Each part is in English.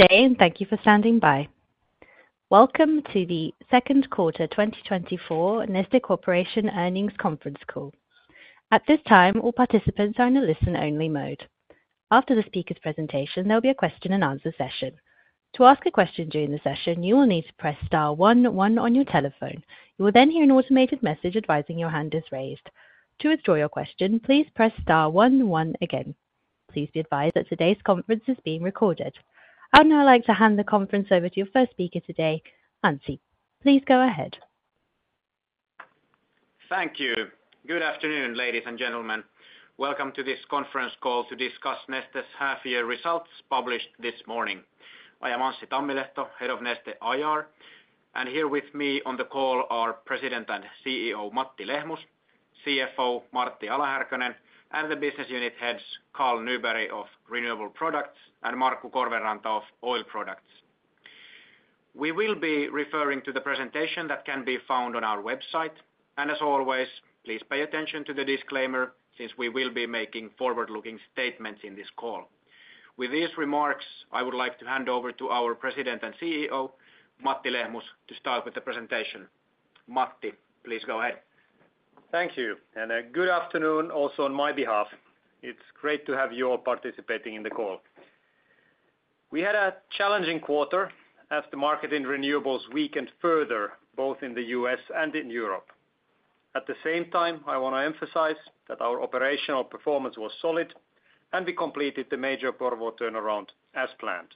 Good day, and thank you for standing by. Welcome to the Second Quarter 2024 Neste Corporation Earnings Conference Call. At this time, all participants are in a listen-only mode. After the speaker's presentation, there will be a question-and-answer session. To ask a question during the session, you will need to press star one-one on your telephone. You will then hear an automated message advising your hand is raised. To withdraw your question, please press star one-one again. Please be advised that today's conference is being recorded. I'd now like to hand the conference over to your first speaker today, Anssi. Please go ahead. Thank you. Good afternoon, ladies and gentlemen. Welcome to this conference call to discuss Neste's half-year results published this morning. I am Anssi Tammilehto. I am the Head of Neste IR. And here with me on the call are President and CEO Matti Lehmus, CFO Martti Ala-Härkönen, and the Business Unit Heads Carl Nyberg of Renewable Products and Markku Korvenranta of Oil Products. We will be referring to the presentation that can be found on our website. As always, please pay attention to the disclaimer since we will be making forward-looking statements in this call. With these remarks, I would like to hand over to our President and CEO, Matti Lehmus, to start with the presentation. Matti, please go ahead. Thank you. Good afternoon also on my behalf. It's great to have you all participating in the call. We had a challenging quarter as the market in renewables weakened further, both in the U.S. and in Europe. At the same time, I want to emphasize that our operational performance was solid, and we completed the major turnarounds as planned.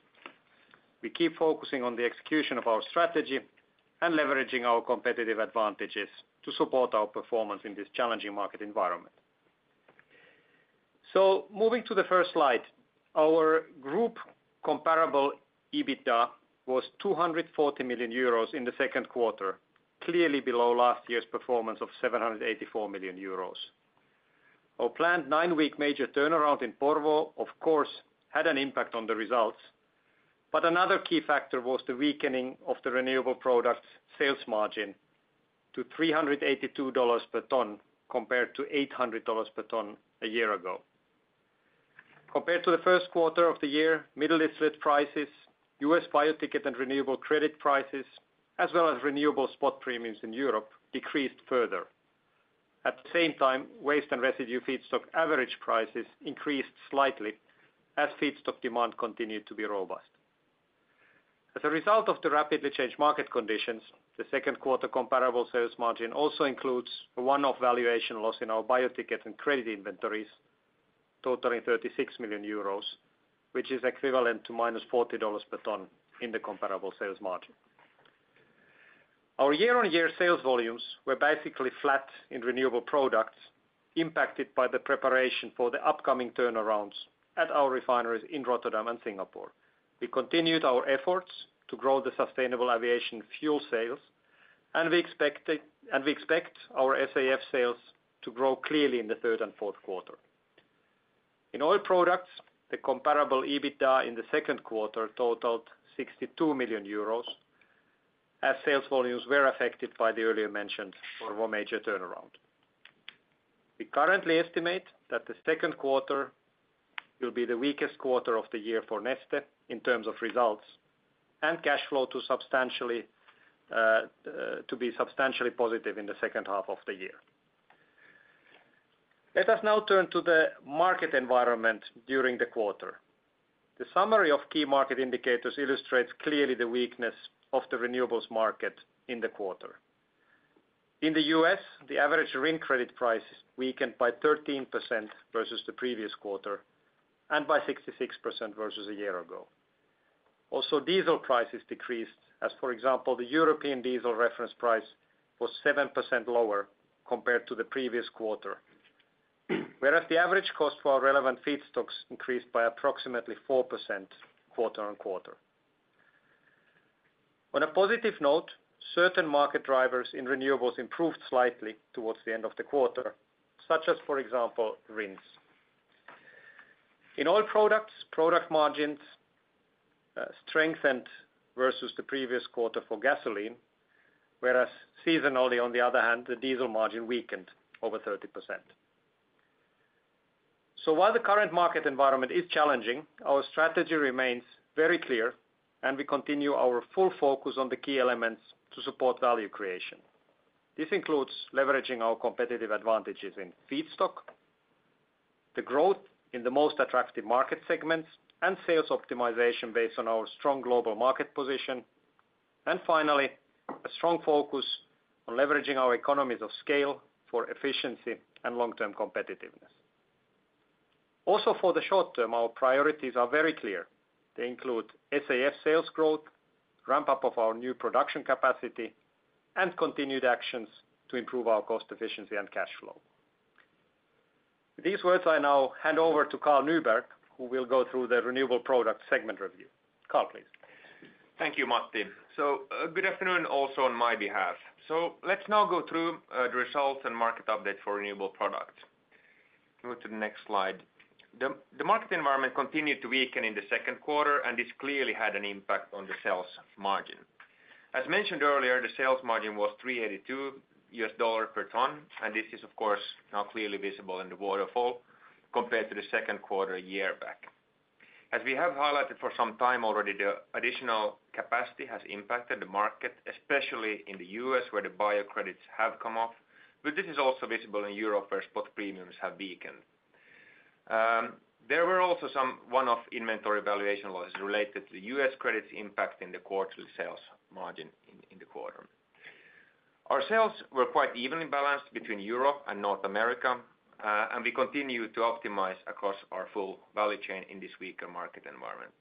We keep focusing on the execution of our strategy and leveraging our competitive advantages to support our performance in this challenging market environment. Moving to the first slide, our group Comparable EBITDA was 240 million euros in the second quarter, clearly below last year's performance of 784 million euros. Our planned nine-week major turnaround in Porvoo, of course, had an impact on the results. But another key factor was the weakening of the renewable products' sales margin to $382 per ton compared to $800 per ton a year ago. Compared to the first quarter of the year, middle distillate prices, U.S. bio-ticket and renewable credit prices, as well as renewable spot premiums in Europe, decreased further. At the same time, waste and residue feedstock average prices increased slightly as feedstock demand continued to be robust. As a result of the rapidly changed market conditions, the second quarter comparable sales margin also includes a one-off valuation loss in our bio-ticket and credit inventories totaling 36 million euros, which is equivalent to -$40 per ton in the comparable sales margin. Our year-on-year sales volumes were basically flat in renewable products, impacted by the preparation for the upcoming turnarounds at our refineries in Rotterdam and Singapore. We continued our efforts to grow the sustainable aviation fuel sales, and we expect our SAF sales to grow clearly in the third and fourth quarter. In oil products, the comparable EBITDA in the second quarter totaled 62 million euros, as sales volumes were affected by the earlier mentioned major turnaround. We currently estimate that the second quarter will be the weakest quarter of the year for Neste in terms of results and cash flow to be substantially positive in the second half of the year. Let us now turn to the market environment during the quarter. The summary of key market indicators illustrates clearly the weakness of the renewables market in the quarter. In the U.S., the average RIN credit prices weakened by 13% versus the previous quarter and by 66% versus a year ago. Also, diesel prices decreased, as for example, the European diesel reference price was 7% lower compared to the previous quarter, whereas the average cost for our relevant feedstocks increased by approximately 4% quarter-on-quarter. On a positive note, certain market drivers in renewables improved slightly towards the end of the quarter, such as, for example, RINs. In oil products, product margins strengthened versus the previous quarter for gasoline, whereas seasonally, on the other hand, the diesel margin weakened over 30%. So while the current market environment is challenging, our strategy remains very clear, and we continue our full focus on the key elements to support value creation. This includes leveraging our competitive advantages in feedstock, the growth in the most attractive market segments, and sales optimization based on our strong global market position. And finally, a strong focus on leveraging our economies of scale for efficiency and long-term competitiveness. Also, for the short term, our priorities are very clear. They include SAF sales growth, ramp-up of our new production capacity, and continued actions to improve our cost efficiency and cash flow. These words I now hand over to Carl Nyberg, who will go through the renewable product segment review. Carl, please. Thank you, Matti. Good afternoon also on my behalf. Let's now go through the results and market update for renewable products. Move to the next slide. The market environment continued to weaken in the second quarter, and this clearly had an impact on the sales margin. As mentioned earlier, the sales margin was $382 per ton, and this is, of course, now clearly visible in the waterfall compared to the second quarter a year back. As we have highlighted for some time already, the additional capacity has impacted the market, especially in the U.S., where the bio credits have come off. But this is also visible in Europe, where spot premiums have weakened. There were also some one-off inventory valuation losses related to the U.S. credits impacting the quarterly sales margin in the quarter. Our sales were quite evenly balanced between Europe and North America, and we continue to optimize across our full value chain in this weaker market environment.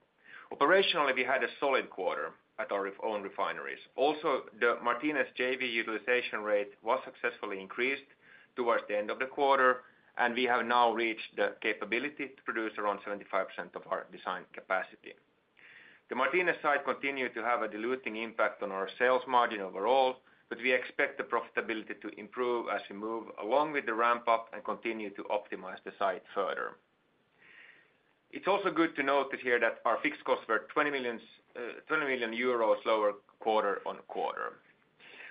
Operationally, we had a solid quarter at our own refineries. Also, the Martinez JV utilization rate was successfully increased towards the end of the quarter, and we have now reached the capability to produce around 75% of our design capacity. The Martinez site continued to have a diluting impact on our sales margin overall, but we expect the profitability to improve as we move along with the ramp-up and continue to optimize the site further. It's also good to notice here that our fixed costs were 20 million euros lower quarter on quarter.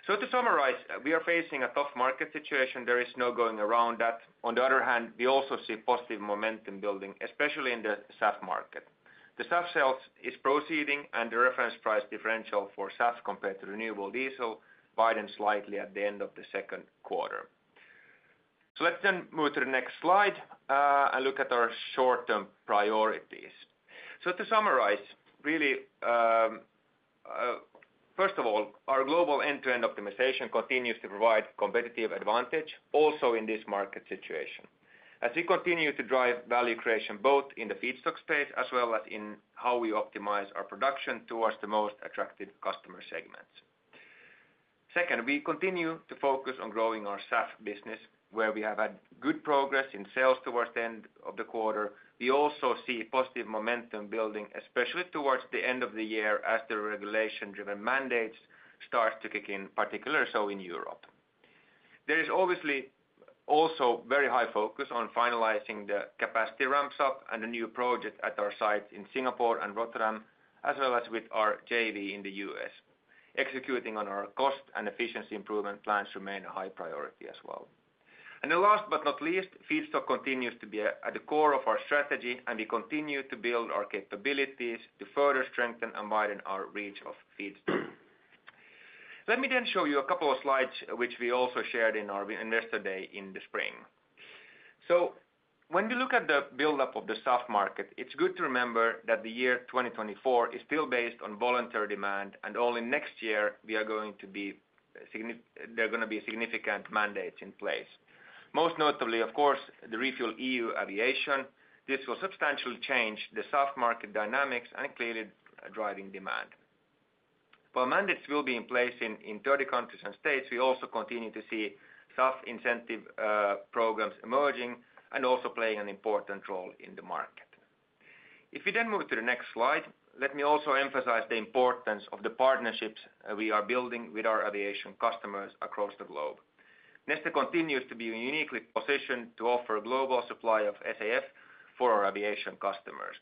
So to summarize, we are facing a tough market situation. There is no going around that. On the other hand, we also see positive momentum building, especially in the SAF market. The SAF sales is proceeding, and the reference price differential for SAF compared to renewable diesel widened slightly at the end of the second quarter. So let's then move to the next slide and look at our short-term priorities. So to summarize, really, first of all, our global end-to-end optimization continues to provide a competitive advantage also in this market situation, as we continue to drive value creation both in the feedstock space as well as in how we optimize our production towards the most attractive customer segments. Second, we continue to focus on growing our SAF business, where we have had good progress in sales towards the end of the quarter. We also see positive momentum building, especially towards the end of the year as the regulation-driven mandates start to kick in, particularly so in Europe. There is obviously also very high focus on finalizing the capacity ramp-up and the new project at our sites in Singapore and Rotterdam, as well as with our JV in the U.S. Executing on our cost and efficiency improvement plans remain a high priority as well. And last but not least, feedstock continues to be at the core of our strategy, and we continue to build our capabilities to further strengthen and widen our reach of feedstock. Let me then show you a couple of slides which we also shared in our investor day in the spring. So when we look at the build-up of the SAF market, it's good to remember that the year 2024 is still based on voluntary demand, and only next year there are going to be significant mandates in place. Most notably, of course, the RefuelEU Aviation. This will substantially change the SAF market dynamics and clearly drive demand. While mandates will be in place in 30 countries and states, we also continue to see SAF incentive programs emerging and also playing an important role in the market. If we then move to the next slide, let me also emphasize the importance of the partnerships we are building with our aviation customers across the globe. Neste continues to be uniquely positioned to offer a global supply of SAF for our aviation customers.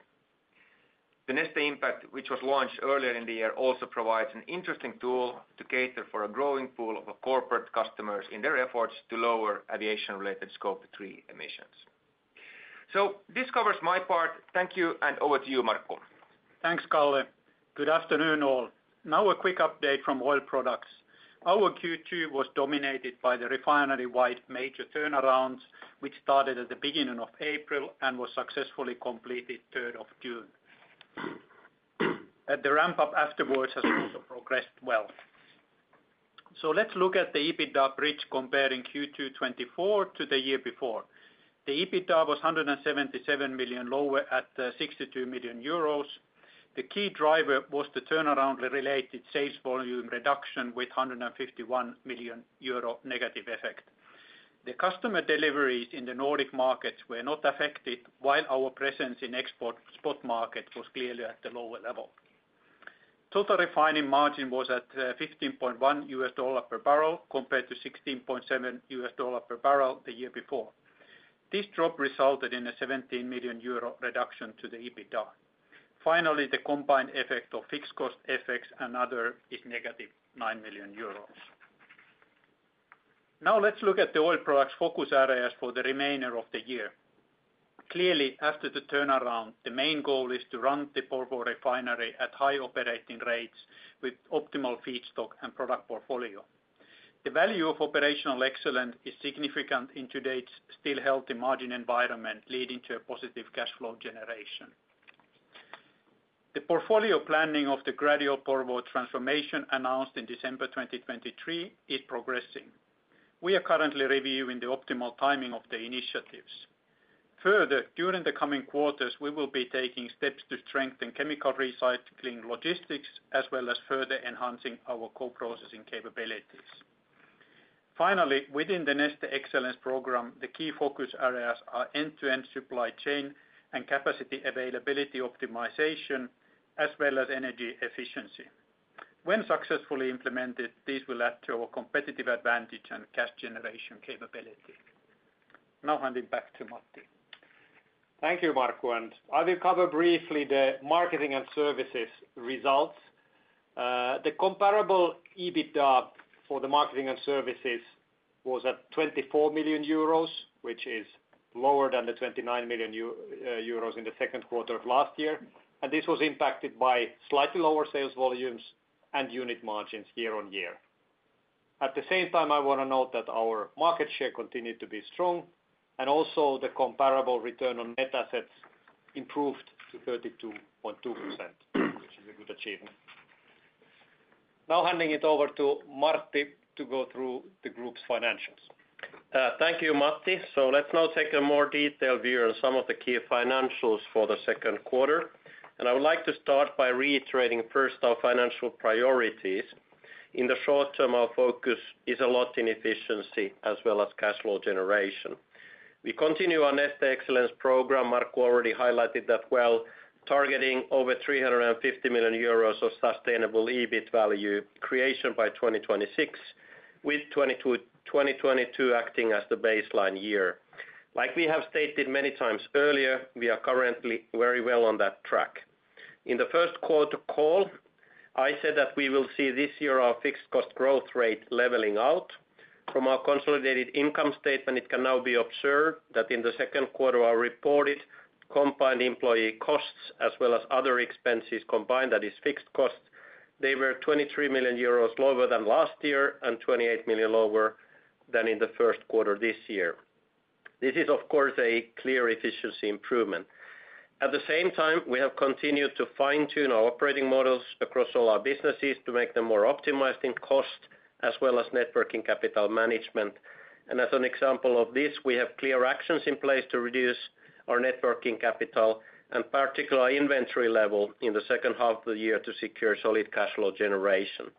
The Neste Impact, which was launched earlier in the year, also provides an interesting tool to cater for a growing pool of corporate customers in their efforts to lower aviation-related Scope 3 emissions. So this covers my part. Thank you, and over to you, Markku. Thanks, Carl. Good afternoon all. Now a quick update from oil products. Our Q2 was dominated by the refinery-wide major turnarounds, which started at the beginning of April and was successfully completed in June 3rd. The ramp-up afterwards has also progressed well. Let's look at the EBITDA bridge comparing Q2 2024 to the year before. The EBITDA was 177 million lower at 62 million euros. The key driver was the turnaround-related sales volume reduction with 151 million euro negative effect. The customer deliveries in the Nordic markets were not affected, while our presence in export spot market was clearly at the lower level. Total refining margin was at $15.1 per barrel compared to $16.7 per barrel the year before. This drop resulted in a 17 million euro reduction to the EBITDA. Finally, the combined effect of fixed cost effects and other is negative 9 million euros. Now let's look at the oil products focus areas for the remainder of the year. Clearly, after the turnaround, the main goal is to run the Porvoo refinery at high operating rates with optimal feedstock and product portfolio. The value of operational excellence is significant in today's still healthy margin environment, leading to a positive cash flow generation. The portfolio planning of the gradual Porvoo transformation announced in December 2023 is progressing. We are currently reviewing the optimal timing of the initiatives. Further, during the coming quarters, we will be taking steps to strengthen chemical recycling logistics, as well as further enhancing our co-processing capabilities. Finally, within the Neste Excellence Program, the key focus areas are end-to-end supply chain and capacity availability optimization, as well as energy efficiency. When successfully implemented, these will add to our competitive advantage and cash generation capability. Now handing back to Matti. Thank you, Markku, and I will cover briefly the marketing and services results. The comparable EBITDA for the marketing and services was at 24 million euros, which is lower than the 29 million euros in the second quarter of last year. This was impacted by slightly lower sales volumes and unit margins year-on-year. At the same time, I want to note that our market share continued to be strong, and also the comparable return on net assets improved to 32.2%, which is a good achievement. Now handing it over to Martti to go through the group's financials. Thank you, Matti. Let's now take a more detailed view on some of the key financials for the second quarter. I would like to start by reiterating first our financial priorities. In the short term, our focus is a lot in efficiency as well as cash flow generation. We continue our Neste Excellence Program. Markku already highlighted that well, targeting over 350 million euros of sustainable EBIT value creation by 2026, with 2022 acting as the baseline year. Like we have stated many times earlier, we are currently very well on that track. In the first quarter call, I said that we will see this year our fixed cost growth rate leveling out. From our consolidated income statement, it can now be observed that in the second quarter, our reported combined employee costs as well as other expenses combined, that is, fixed costs, they were 23 million euros lower than last year and 28 million lower than in the first quarter this year. This is, of course, a clear efficiency improvement. At the same time, we have continued to fine-tune our operating models across all our businesses to make them more optimized in cost as well as working capital management. And as an example of this, we have clear actions in place to reduce our working capital and particularly our inventory level in the second half of the year to secure solid cash flow generation.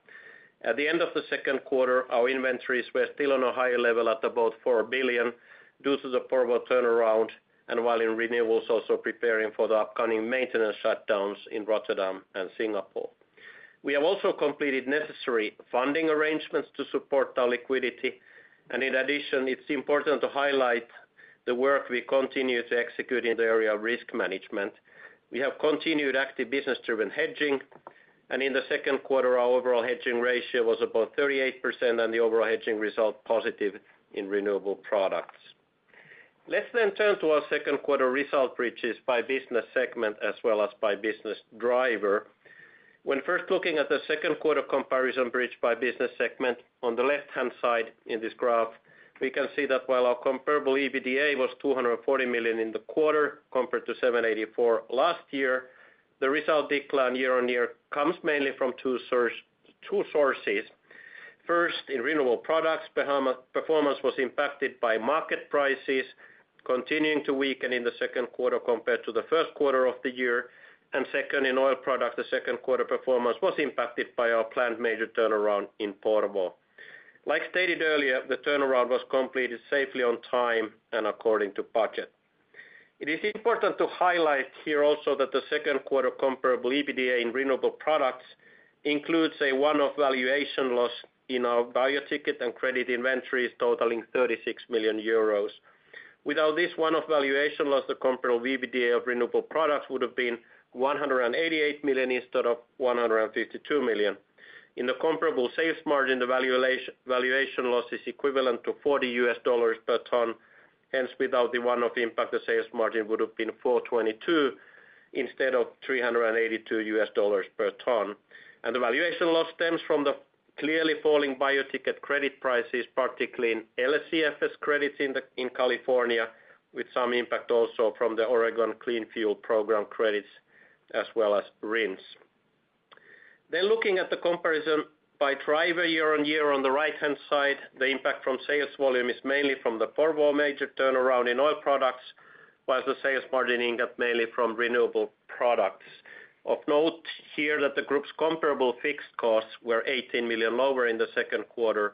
At the end of the second quarter, our inventories were still on a higher level at about 4 billion due to the Porvoo turnaround, and while in renewables, also preparing for the upcoming maintenance shutdowns in Rotterdam and Singapore. We have also completed necessary funding arrangements to support our liquidity. In addition, it's important to highlight the work we continue to execute in the area of risk management. We have continued active business-driven hedging, and in the second quarter, our overall hedging ratio was about 38%, and the overall hedging result was positive in renewable products. Let's then turn to our second quarter result bridges by business segment as well as by business driver. When first looking at the second quarter comparison bridge by business segment on the left-hand side in this graph, we can see that while our comparable EBITDA was 240 million in the quarter compared to 784 million last year, the result declined year-on-year comes mainly from two sources. First, in renewable products, performance was impacted by market prices continuing to weaken in the second quarter compared to the first quarter of the year. Second, in oil products, the second quarter performance was impacted by our planned major turnaround in Porvoo. Like stated earlier, the turnaround was completed safely on time and according to budget. It is important to highlight here also that the second quarter comparable EBITDA in renewable products includes a one-off valuation loss in our bio ticket and credit inventories totaling 36 million euros. Without this one-off valuation loss, the Comparable EBITDA of renewable products would have been 188 million instead of 152 million. In the comparable sales margin, the valuation loss is equivalent to $40 per ton. Hence, without the one-off impact, the sales margin would have been 422 instead of $382 per ton. The valuation loss stems from the clearly falling bio-ticket credit prices, particularly in LCFS credits in California, with some impact also from the Oregon Clean Fuel Program credits as well as RINs. Looking at the comparison by driver year-on-year on the right-hand side, the impact from sales volume is mainly from the Porvoo major turnaround in oil products, while the sales margin income mainly from renewable products. Of note here that the group's comparable fixed costs were 18 million lower in the second quarter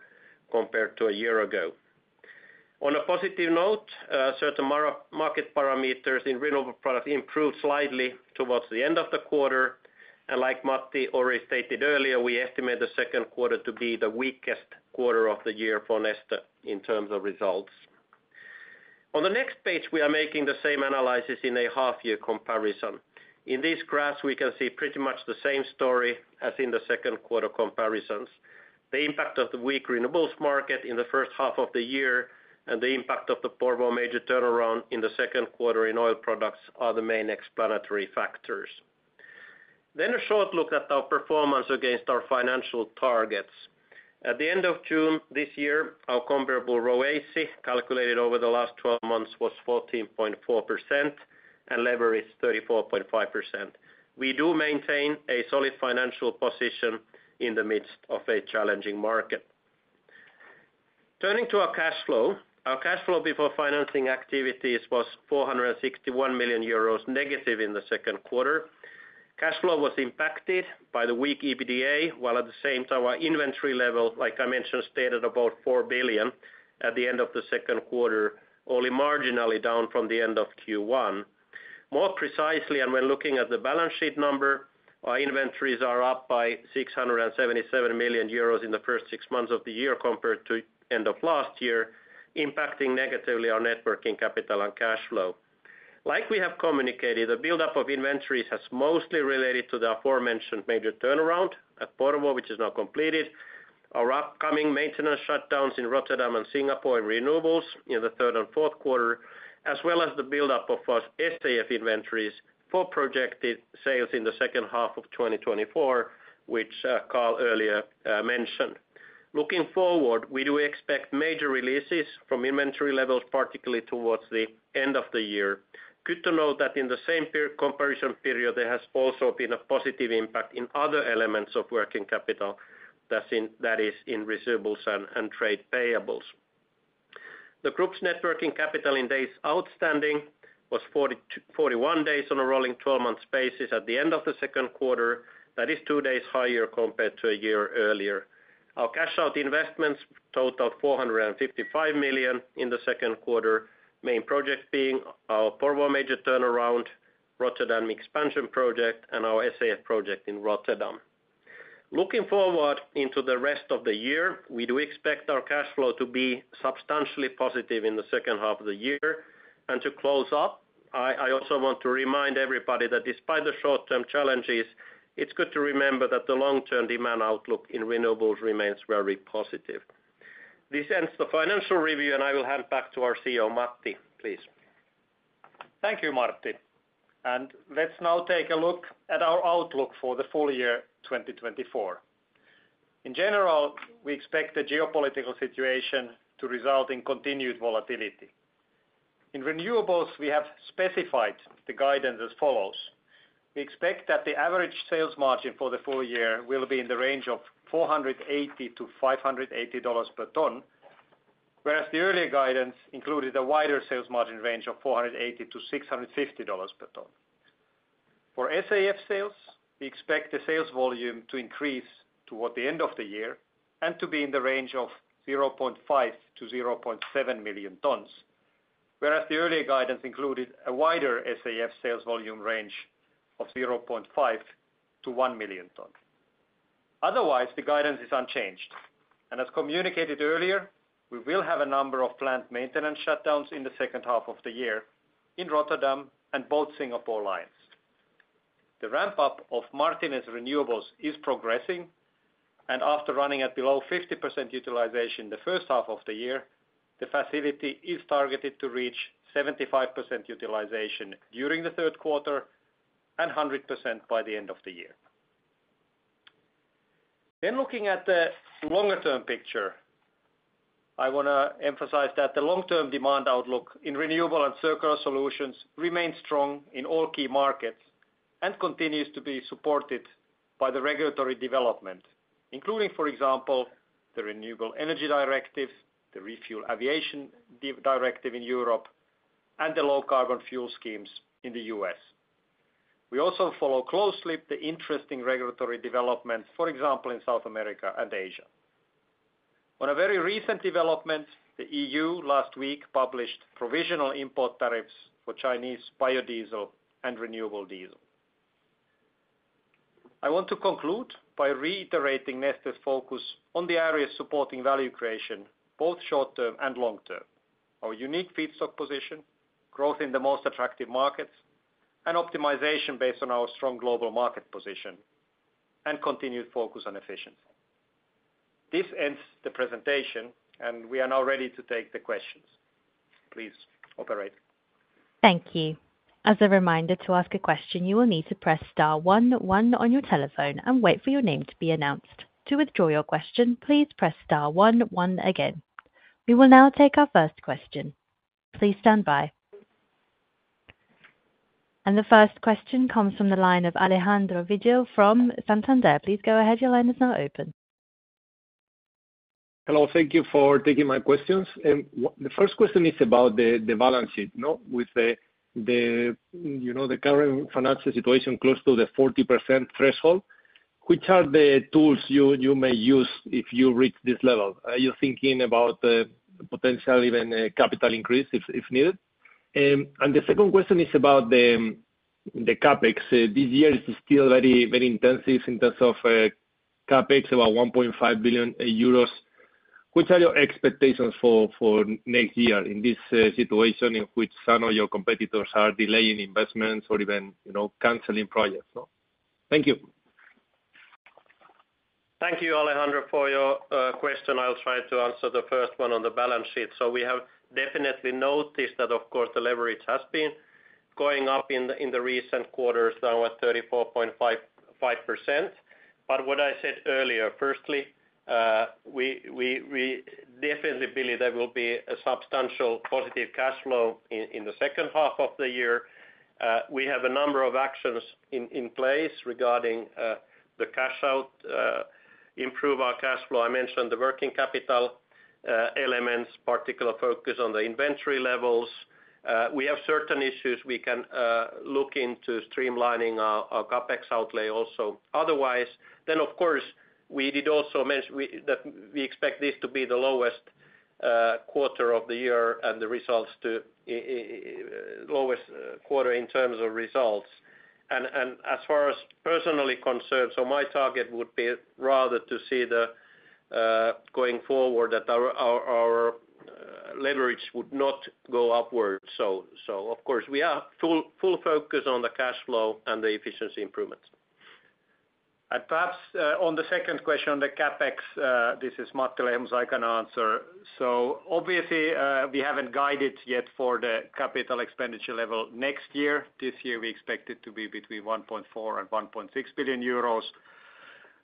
compared to a year ago. On a positive note, certain market parameters in renewable products improved slightly towards the end of the quarter. Like Matti already stated earlier, we estimate the second quarter to be the weakest quarter of the year for Neste in terms of results. On the next page, we are making the same analysis in a half-year comparison. In this graph, we can see pretty much the same story as in the second quarter comparisons. The impact of the weak renewables market in the first half of the year and the impact of the Porvoo major turnaround in the second quarter in oil products are the main explanatory factors. A short look at our performance against our financial targets. At the end of June this year, our comparable ROACE calculated over the last 12 months was 14.4% and leveraged 34.5%. We do maintain a solid financial position in the midst of a challenging market. Turning to our cash flow, our cash flow before financing activities was negative 461 million euros in the second quarter. Cash flow was impacted by the weak EBITDA, while at the same time our inventory level, like I mentioned, stood at about 4 billion at the end of the second quarter, only marginally down from the end of Q1. More precisely, and when looking at the balance sheet number, our inventories are up by 677 million euros in the first six months of the year compared to the end of last year, impacting negatively our net working capital and cash flow. Like we have communicated, the build-up of inventories has mostly related to the aforementioned major turnaround at Porvoo, which is now completed, our upcoming maintenance shutdowns in Rotterdam and Singapore in renewables in the third and fourth quarter, as well as the build-up of our SAF inventories for projected sales in the second half of 2024, which Carl earlier mentioned. Looking forward, we do expect major releases from inventory levels, particularly towards the end of the year. Good to note that in the same comparison period, there has also been a positive impact in other elements of working capital, that is, in residuals and trade payables. The group's net working capital in days outstanding was 41 days on a rolling 12-month basis at the end of the second quarter, that is, 2 days higher compared to a year earlier. Our cash out investments totaled 455 million in the second quarter, main project being our Porvoo major turnaround, Rotterdam expansion project, and our SAF project in Rotterdam. Looking forward into the rest of the year, we do expect our cash flow to be substantially positive in the second half of the year. And to close up, I also want to remind everybody that despite the short-term challenges, it's good to remember that the long-term demand outlook in renewables remains very positive. This ends the financial review, and I will hand back to our CEO, Matti, please. Thank you, Martti. Let's now take a look at our outlook for the full year 2024. In general, we expect the geopolitical situation to result in continued volatility. In renewables, we have specified the guidance as follows. We expect that the average sales margin for the full year will be in the range of $480-$580 per ton, whereas the earlier guidance included a wider sales margin range of $480-$650 per ton. For SAF sales, we expect the sales volume to increase toward the end of the year and to be in the range of 0.5-0.7 million tons, whereas the earlier guidance included a wider SAF sales volume range of 0.5-1 million tons. Otherwise, the guidance is unchanged. As communicated earlier, we will have a number of planned maintenance shutdowns in the second half of the year in Rotterdam and both Singapore lines. The ramp-up of Martinez Renewables is progressing, and after running at below 50% utilization the first half of the year, the facility is targeted to reach 75% utilization during the third quarter and 100% by the end of the year. Looking at the longer-term picture, I want to emphasize that the long-term demand outlook in renewable and circular solutions remains strong in all key markets and continues to be supported by the regulatory development, including, for example, the renewable energy directives, the RefuelEU aviation in Europe, and the low carbon fuel schemes in the U.S. We also follow closely the interesting regulatory developments, for example, in South America and Asia. On a very recent development, the E.U. last week published provisional import tariffs for Chinese biodiesel and renewable diesel. I want to conclude by reiterating Neste's focus on the areas supporting value creation, both short-term and long-term, our unique feedstock position, growth in the most attractive markets, and optimization based on our strong global market position, and continued focus on efficiency. This ends the presentation, and we are now ready to take the questions. Operator, please. Thank you. As a reminder to ask a question, you will need to press star 11 on your telephone and wait for your name to be announced. To withdraw your question, please press star 11 again. We will now take our first question. Please stand by. And the first question comes from the line of Alejandro Vigil from Santander. Please go ahead. Your line is now open. Hello. Thank you for taking my questions. The first question is about the balance sheet with the current financial situation close to the 40% threshold. Which are the tools you may use if you reach this level? Are you thinking about potential even capital increase if needed? The second question is about the CapEx. This year is still very, very intensive in terms of CapEx, about 1.5 billion euros. Which are your expectations for next year in this situation in which some of your competitors are delaying investments or even canceling projects? Thank you. Thank you, Alejandro, for your question. I'll try to answer the first one on the balance sheet. So we have definitely noticed that, of course, the leverage has been going up in the recent quarters now at 34.5%. But what I said earlier, firstly, we definitely believe there will be a substantial positive cash flow in the second half of the year. We have a number of actions in place regarding the cash out, improve our cash flow. I mentioned the working capital elements, particular focus on the inventory levels. We have certain issues we can look into streamlining our CapEx outlay also. Otherwise, then, of course, we did also mention that we expect this to be the lowest quarter of the year and the results to lowest quarter in terms of results. As far as personally concerned, so my target would be rather to see going forward that our leverage would not go upward. So, of course, we have full focus on the cash flow and the efficiency improvements. Perhaps on the second question, the CapEx, this is Matti Lehmus, I can answer. So obviously, we haven't guided yet for the capital expenditure level next year. This year, we expect it to be between 1.4 billion and 1.6 billion euros.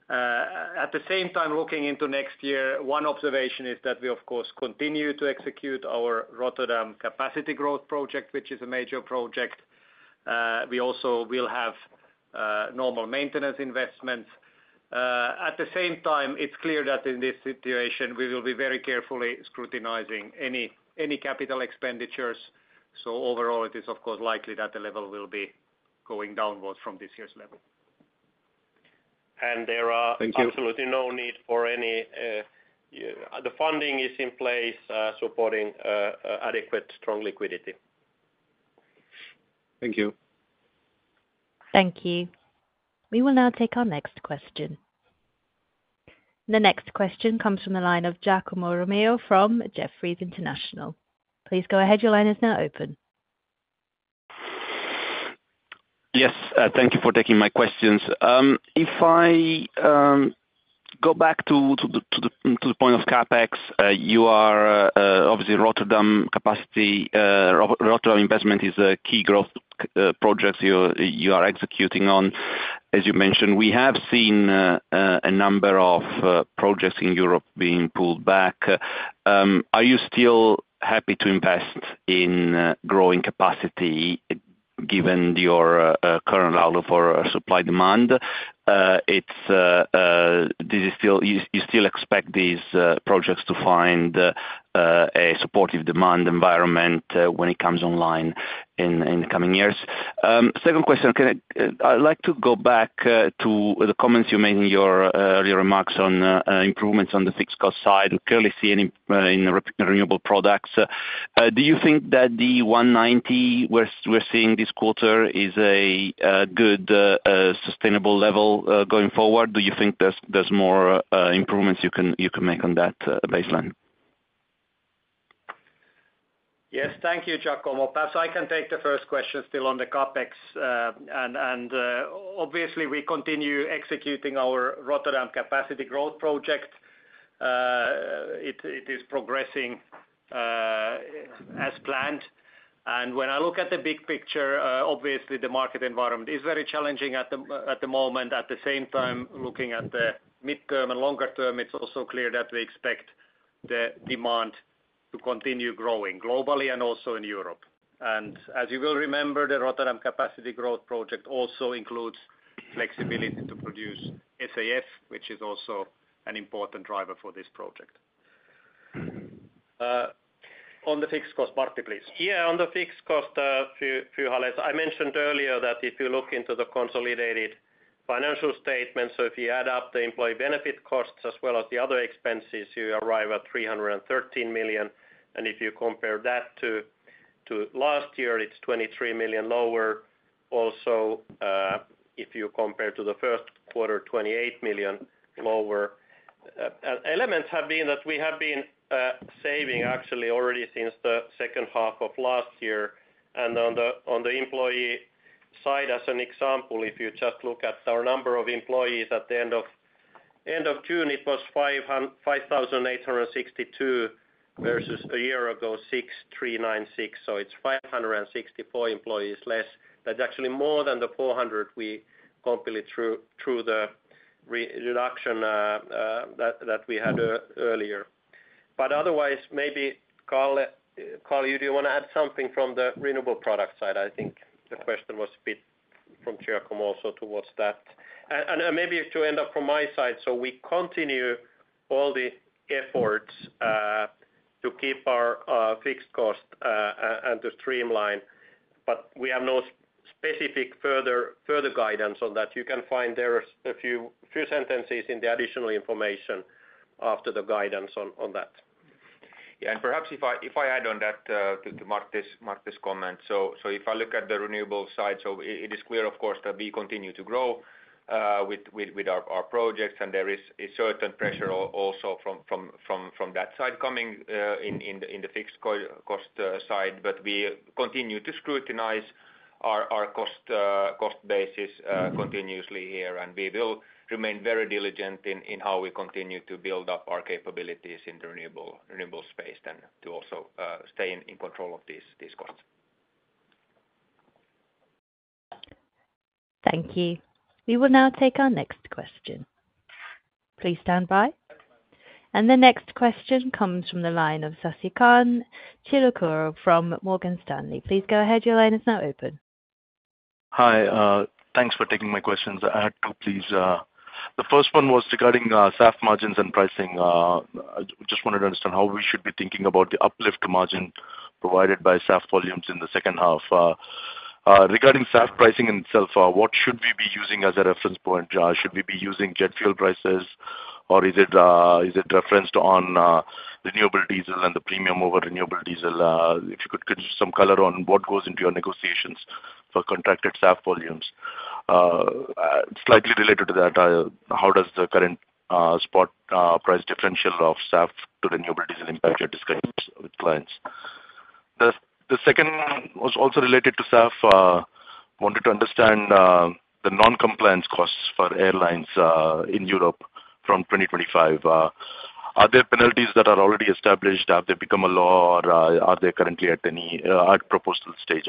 At the same time, looking into next year, one observation is that we, of course, continue to execute our Rotterdam capacity growth project, which is a major project. We also will have normal maintenance investments. At the same time, it's clear that in this situation, we will be very carefully scrutinizing any capital expenditures. Overall, it is, of course, likely that the level will be going downward from this year's level. There are absolutely no need for any. The funding is in place, supporting adequate, strong liquidity. Thank you. Thank you. We will now take our next question. The next question comes from the line of Giacomo Romeo from Jefferies International. Please go ahead. Your line is now open. Yes. Thank you for taking my questions. If I go back to the point of CapEx, you are obviously Rotterdam capacity. Rotterdam investment is a key growth project you are executing on. As you mentioned, we have seen a number of projects in Europe being pulled back. Are you still happy to invest in growing capacity given your current outlook for supply demand? You still expect these projects to find a supportive demand environment when it comes online in the coming years? Second question, I'd like to go back to the comments you made in your earlier remarks on improvements on the fixed cost side. We clearly see in renewable products. Do you think that the 190 we're seeing this quarter is a good sustainable level going forward? Do you think there's more improvements you can make on that baseline? Yes. Thank you, Giacomo. Perhaps I can take the first question still on the CapEx. Obviously, we continue executing our Rotterdam capacity growth project. It is progressing as planned. When I look at the big picture, obviously, the market environment is very challenging at the moment. At the same time, looking at the midterm and longer term, it's also clear that we expect the demand to continue growing globally and also in Europe. As you will remember, the Rotterdam capacity growth project also includes flexibility to produce SAF, which is also an important driver for this project. On the fixed cost, Martti, please. Yeah. On the fixed cost, Giacomo, I mentioned earlier that if you look into the consolidated financial statements, so if you add up the employee benefit costs as well as the other expenses, you arrive at 313 million. If you compare that to last year, it's 23 million lower. Also, if you compare to the first quarter, 28 million lower. Elements have been that we have been saving actually already since the second half of last year. And on the employee side, as an example, if you just look at our number of employees at the end of June, it was 5,862 versus a year ago, 6,396. So it's 564 employees less. That's actually more than the 400 we completed through the reduction that we had earlier. But otherwise, maybe Carl, you do want to add something from the renewable product side? I think the question was a bit from Giacomo also towards that. And maybe to end up from my side, so we continue all the efforts to keep our fixed cost and to streamline, but we have no specific further guidance on that. You can find there are a few sentences in the additional information after the guidance on that. Yeah. And perhaps if I add on that to Martti's comment. So if I look at the renewable side, so it is clear, of course, that we continue to grow with our projects, and there is a certain pressure also from that side coming in the fixed cost side. But we continue to scrutinize our cost basis continuously here, and we will remain very diligent in how we continue to build up our capabilities in the renewable space and to also stay in control of these costs. Thank you. We will now take our next question. Please stand by. The next question comes from the line of Sasikanth Chilukuru from Morgan Stanley. Please go ahead. Your line is now open. Hi. Thanks for taking my questions. I had two, please. The first one was regarding SAF margins and pricing. I just wanted to understand how we should be thinking about the uplift margin provided by SAF volumes in the second half. Regarding SAF pricing in itself, what should we be using as a reference point? Should we be using jet fuel prices, or is it referenced on renewable diesel and the premium over renewable diesel? If you could give some color on what goes into your negotiations for contracted SAF volumes. Slightly related to that, how does the current spot price differential of SAF to renewable diesel impact your discussions with clients? The second was also related to SAF. I wanted to understand the non-compliance costs for airlines in Europe from 2025. Are there penalties that are already established? Have they become a law, or are they currently at any proposal stage?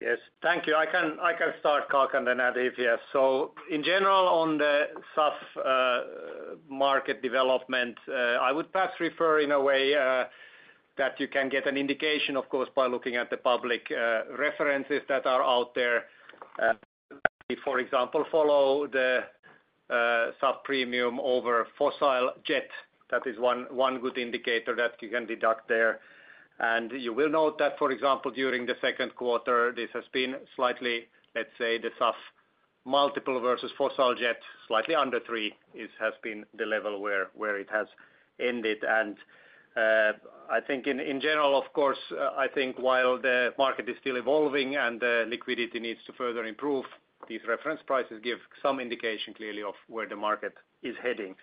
Yes. Thank you. I can start, Carl, and then add if yes. So in general, on the SAF market development, I would perhaps refer in a way that you can get an indication, of course, by looking at the public references that are out there. For example, follow the SAF premium over fossil jet. That is one good indicator that you can deduce there. And you will note that, for example, during the second quarter, this has been slightly, let's say, the SAF multiple versus fossil jet, slightly under 3 has been the level where it has ended. And I think in general, of course, I think while the market is still evolving and the liquidity needs to further improve, these reference prices give some indication clearly of where the market is heading.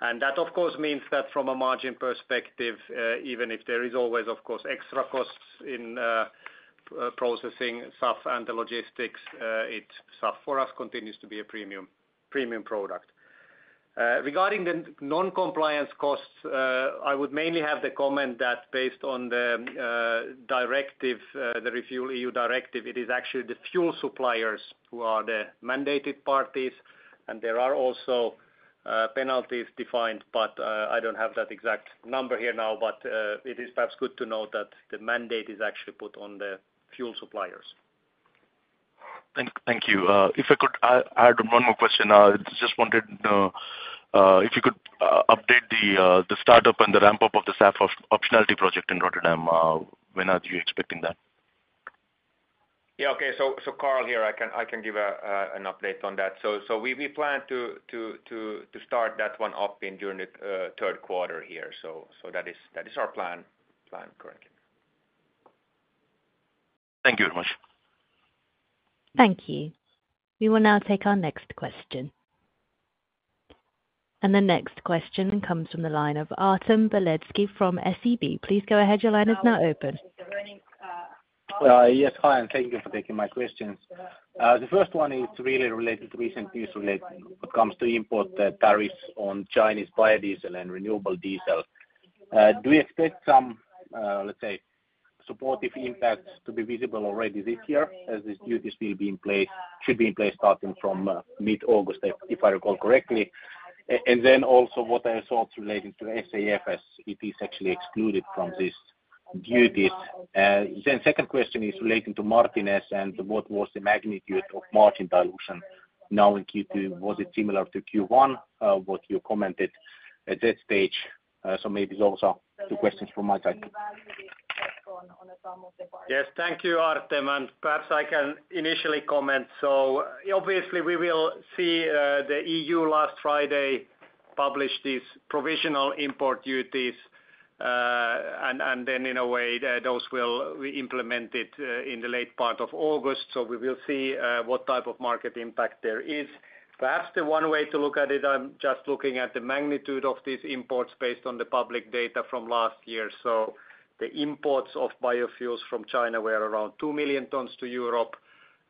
That, of course, means that from a margin perspective, even if there is always, of course, extra costs in processing SAF and the logistics, it's SAF for us continues to be a premium product. Regarding the non-compliance costs, I would mainly have the comment that based on the directive, the RefuelEU directive, it is actually the fuel suppliers who are the mandated parties, and there are also penalties defined, but I don't have that exact number here now, but it is perhaps good to note that the mandate is actually put on the fuel suppliers. Thank you. If I could add one more question, I just wanted if you could update the startup and the ramp-up of the SAF optionality project in Rotterdam, when are you expecting that? Yeah. Okay. So Carl here, I can give an update on that. So we plan to start that one up during the third quarter here. So that is our plan currently. Thank you very much. Thank you. We will now take our next question. The next question comes from the line of Artem Beletsky from SEB. Please go ahead. Your line is now open. Yes. Hi, and thank you for taking my questions. The first one is really related to recent news related to what comes to import tariffs on Chinese biodiesel and renewable diesel. Do we expect some, let's say, supportive impacts to be visible already this year as these duties should be in place starting from mid-August, if I recall correctly? And then also what are your thoughts relating to SAF as it is actually excluded from these duties? Then the second question is relating to Martinez and what was the magnitude of margin dilution now in Q2? Was it similar to Q1, what you commented at that stage? So maybe those are the questions from my side. Yes. Thank you, Artem. Perhaps I can initially comment. So obviously, we will see the EU last Friday publish these provisional import duties, and then in a way, those will be implemented in the late part of August. So we will see what type of market impact there is. Perhaps the one way to look at it, I'm just looking at the magnitude of these imports based on the public data from last year. So the imports of biofuels from China were around 2 million tons to Europe,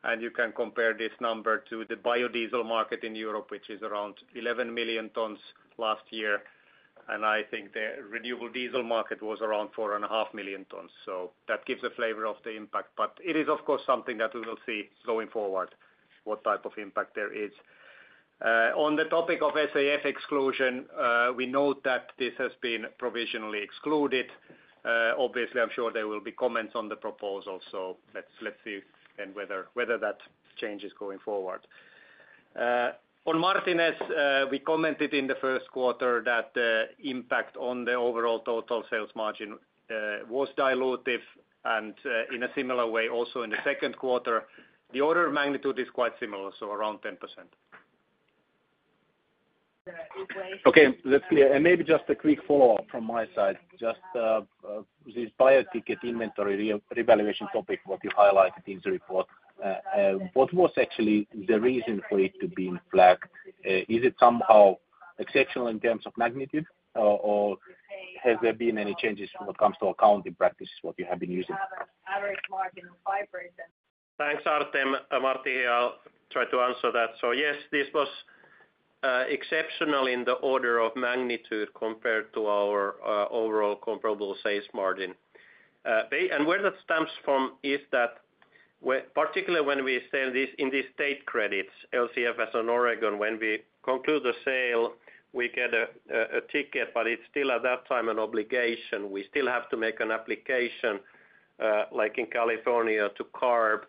and you can compare this number to the biodiesel market in Europe, which is around 11 million tons last year. And I think the renewable diesel market was around 4.5 million tons. So that gives a flavor of the impact. But it is, of course, something that we will see going forward, what type of impact there is. On the topic of SAF exclusion, we note that this has been provisionally excluded. Obviously, I'm sure there will be comments on the proposal, so let's see then whether that change is going forward. On Martinez, we commented in the first quarter that the impact on the overall total sales margin was dilutive, and in a similar way also in the second quarter. The order of magnitude is quite similar, so around 10%. Okay. Maybe just a quick follow-up from my side. Just this Bio-ticket inventory revaluation topic, what you highlighted in the report, what was actually the reason for it to be flagged? Is it somehow exceptional in terms of magnitude, or have there been any changes when it comes to accounting practices what you have been using? Thanks, Artem. Martti, I'll try to answer that. So yes, this was exceptional in the order of magnitude compared to our overall comparable sales margin. And where that stems from is that particularly when we sell in these state credits, LCFS and Oregon, when we conclude the sale, we get a ticket, but it's still at that time an obligation. We still have to make an application like in California to CARB,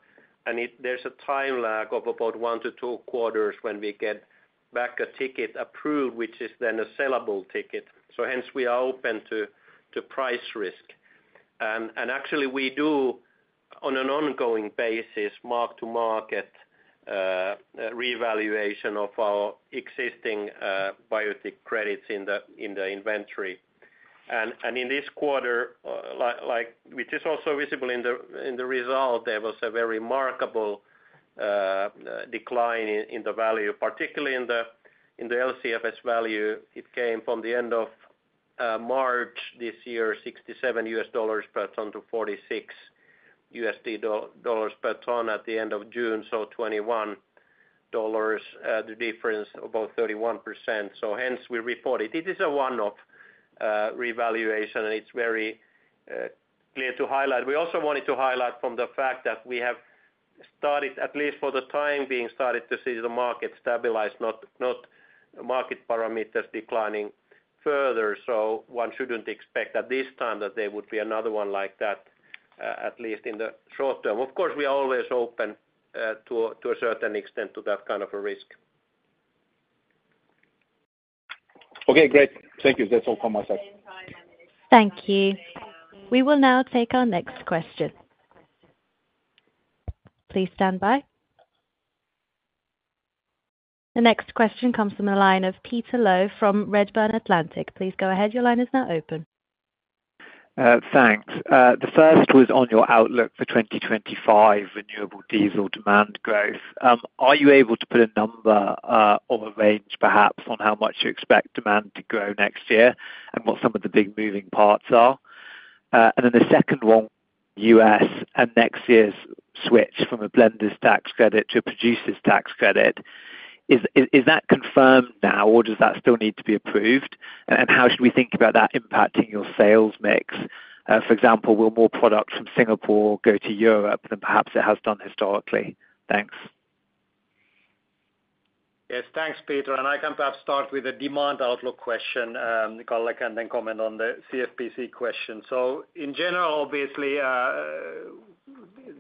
and there's a time lag of about 1-2 quarters when we get back a ticket approved, which is then a sellable ticket. So hence, we are open to price risk. And actually, we do on an ongoing basis, mark-to-market revaluation of our existing bio-ticket credits in the inventory. And in this quarter, which is also visible in the result, there was a very remarkable decline in the value, particularly in the LCFS value. It came from the end of March this year, $67 per ton to $46 per ton at the end of June, so $21, the difference of about 31%. So hence, we reported it is a one-off revaluation, and it's very clear to highlight. We also wanted to highlight from the fact that we have started, at least for the time being, started to see the market stabilize, not market parameters declining further. So one shouldn't expect at this time that there would be another one like that, at least in the short term. Of course, we are always open to a certain extent to that kind of a risk. Okay. Great. Thank you. That's all from my side. Thank you. We will now take our next question. Please stand by. The next question comes from the line of Peter Low from Redburn Atlantic. Please go ahead. Your line is now open. Thanks. The first was on your outlook for 2025 Renewable Diesel demand growth. Are you able to put a number or a range perhaps on how much you expect demand to grow next year and what some of the big moving parts are? And then the second one, U.S. and next year's switch from a Blender's Tax Credit to a Producer's Tax Credit, is that confirmed now, or does that still need to be approved? And how should we think about that impacting your sales mix? For example, will more product from Singapore go to Europe than perhaps it has done historically? Thanks. Yes. Thanks, Peter. And I can perhaps start with a demand outlook question, Carl, and then comment on the CFPC question. So in general, obviously,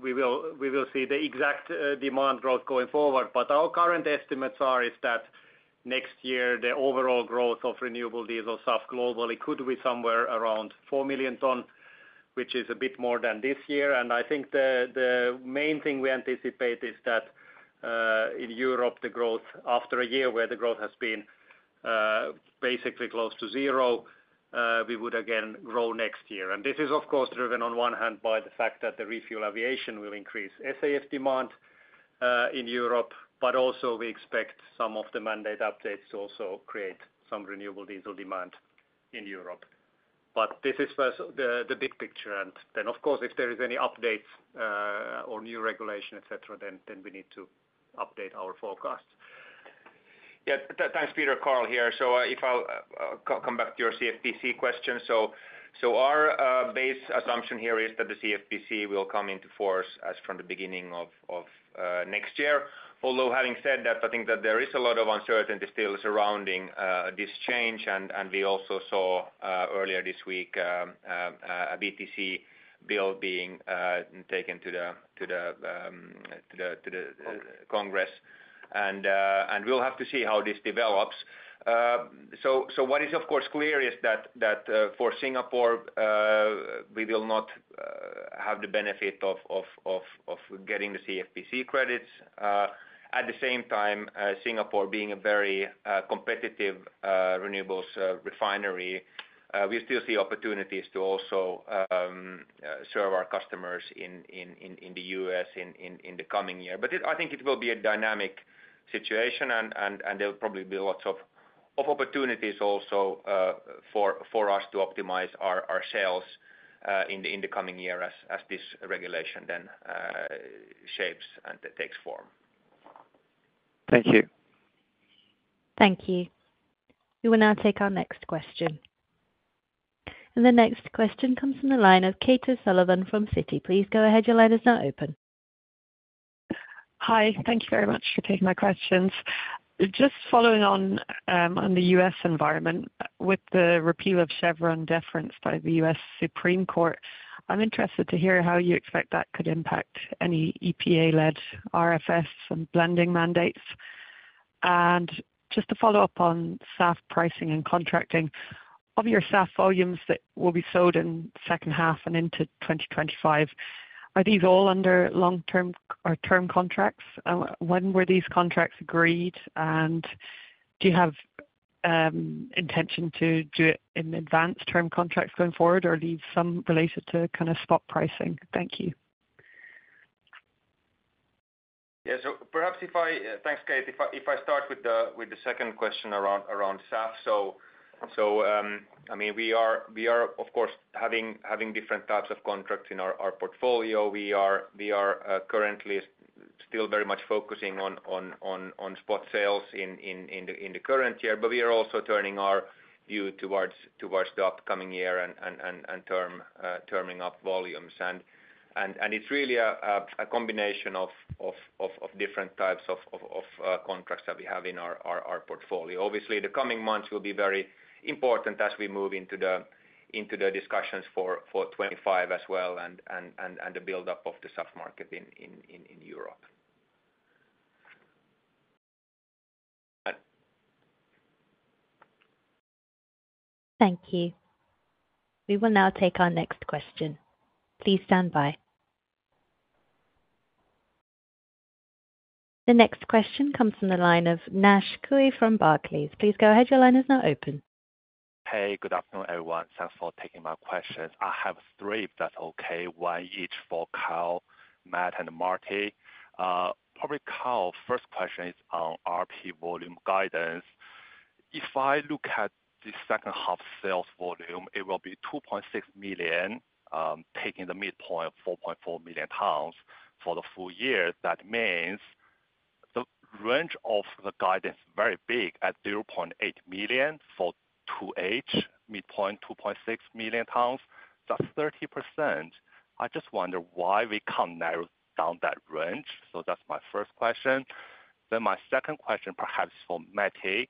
we will see the exact demand growth going forward, but our current estimates are that next year, the overall growth of renewable diesel SAF globally could be somewhere around 4 million tons, which is a bit more than this year. And I think the main thing we anticipate is that in Europe, the growth after a year where the growth has been basically close to zero, we would again grow next year. And this is, of course, driven on one hand by the fact that the RefuelEU Aviation will increase SAF demand in Europe, but also we expect some of the mandate updates to also create some renewable diesel demand in Europe. But this is the big picture. And then, of course, if there is any updates or new regulation, etc., then we need to update our forecasts. Yeah. Thanks, Peter, Carl here. So if I'll come back to your CFPC question. So our base assumption here is that the CFPC will come into force as from the beginning of next year. Although having said that, I think that there is a lot of uncertainty still surrounding this change, and we also saw earlier this week a BTC bill being taken to the Congress. And we'll have to see how this develops. So what is, of course, clear is that for Singapore, we will not have the benefit of getting the CFPC credits. At the same time, Singapore being a very competitive renewables refinery, we still see opportunities to also serve our customers in the US in the coming year. But I think it will be a dynamic situation, and there will probably be lots of opportunities also for us to optimize our sales in the coming year as this regulation then shapes and takes form. Thank you. Thank you. We will now take our next question. The next question comes from the line of Kate O'Sullivan from Citi. Please go ahead. Your line is now open. Hi. Thank you very much for taking my questions. Just following on the U.S. environment, with the repeal of Chevron deference by the U.S. Supreme Court, I'm interested to hear how you expect that could impact any EPA-led RFS and blending mandates. And just to follow up on SAF pricing and contracting, of your SAF volumes that will be sold in second half and into 2025, are these all under long-term or term contracts? When were these contracts agreed, and do you have intention to do it in advanced term contracts going forward or leave some related to kind of spot pricing? Thank you. Thanks, Kate. If I start with the second question around SAF. So I mean, we are, of course, having different types of contracts in our portfolio. We are currently still very much focusing on spot sales in the current year, but we are also turning our view towards the upcoming year and terming up volumes. And it's really a combination of different types of contracts that we have in our portfolio. Obviously, the coming months will be very important as we move into the discussions for 2025 as well and the buildup of the SAF market in Europe. Thank you. We will now take our next question. Please stand by. The next question comes from the line of Naisheng Cui from Barclays. Please go ahead. Your line is now open. Hey. Good afternoon, everyone. Thanks for taking my questions. I have three, if that's okay, one each for Carl, Matti, and Martti. Probably Carl, first question is on RP volume guidance. If I look at the second half sales volume, it will be 2.6 million, taking the midpoint of 4.4 million tons for the full year. That means the range of the guidance is very big at 0.8 million for 2H, midpoint 2.6 million tons. That's 30%. I just wonder why we can't narrow down that range. So that's my first question. Then my second question perhaps for Matti.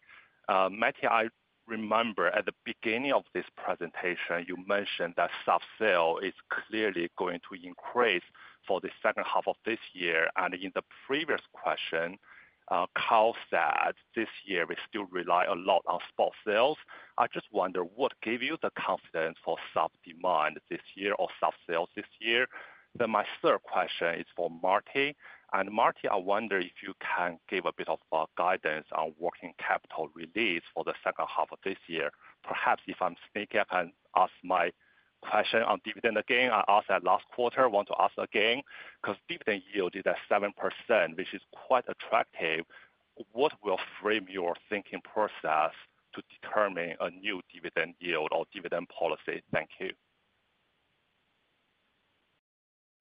Matti, I remember at the beginning of this presentation, you mentioned that SAF sale is clearly going to increase for the second half of this year. And in the previous question, Carl said this year we still rely a lot on spot sales. I just wonder what gave you the confidence for SAF demand this year or SAF sales this year. Then my third question is for Marty. And Marty, I wonder if you can give a bit of guidance on working capital release for the second half of this year. Perhaps if I'm sneaky, I can ask my question on dividend again. I asked that last quarter. I want to ask again because dividend yield is at 7%, which is quite attractive. What will frame your thinking process to determine a new dividend yield or dividend policy? Thank you.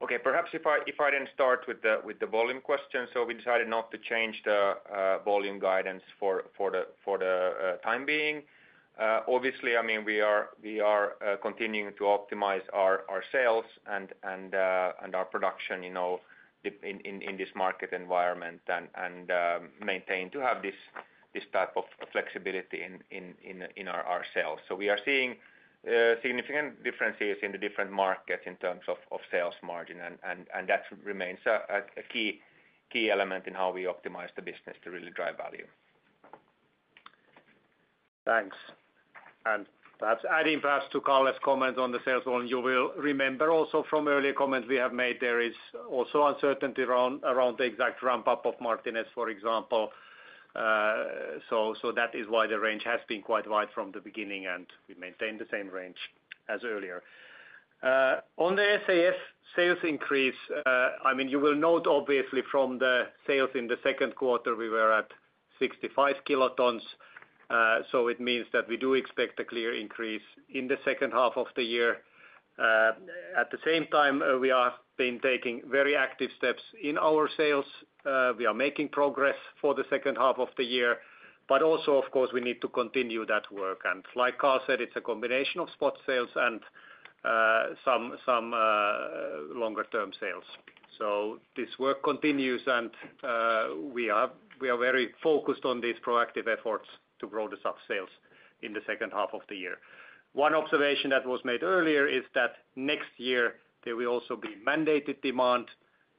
Okay. Perhaps if I then start with the volume question. So we decided not to change the volume guidance for the time being. Obviously, I mean, we are continuing to optimize our sales and our production in this market environment and maintain to have this type of flexibility in our sales. So we are seeing significant differences in the different markets in terms of sales margin, and that remains a key element in how we optimize the business to really drive value. Thanks. Perhaps adding to Carl's comment on the sales volume, you will remember also from earlier comments we have made, there is also uncertainty around the exact ramp-up of Martinez, for example. So that is why the range has been quite wide from the beginning, and we maintain the same range as earlier. On the SAF sales increase, I mean, you will note obviously from the sales in the second quarter, we were at 65 kilotons. So it means that we do expect a clear increase in the second half of the year. At the same time, we have been taking very active steps in our sales. We are making progress for the second half of the year, but also, of course, we need to continue that work. And like Carl said, it's a combination of spot sales and some longer-term sales. So this work continues, and we are very focused on these proactive efforts to grow the SAF sales in the second half of the year. One observation that was made earlier is that next year, there will also be mandated demand.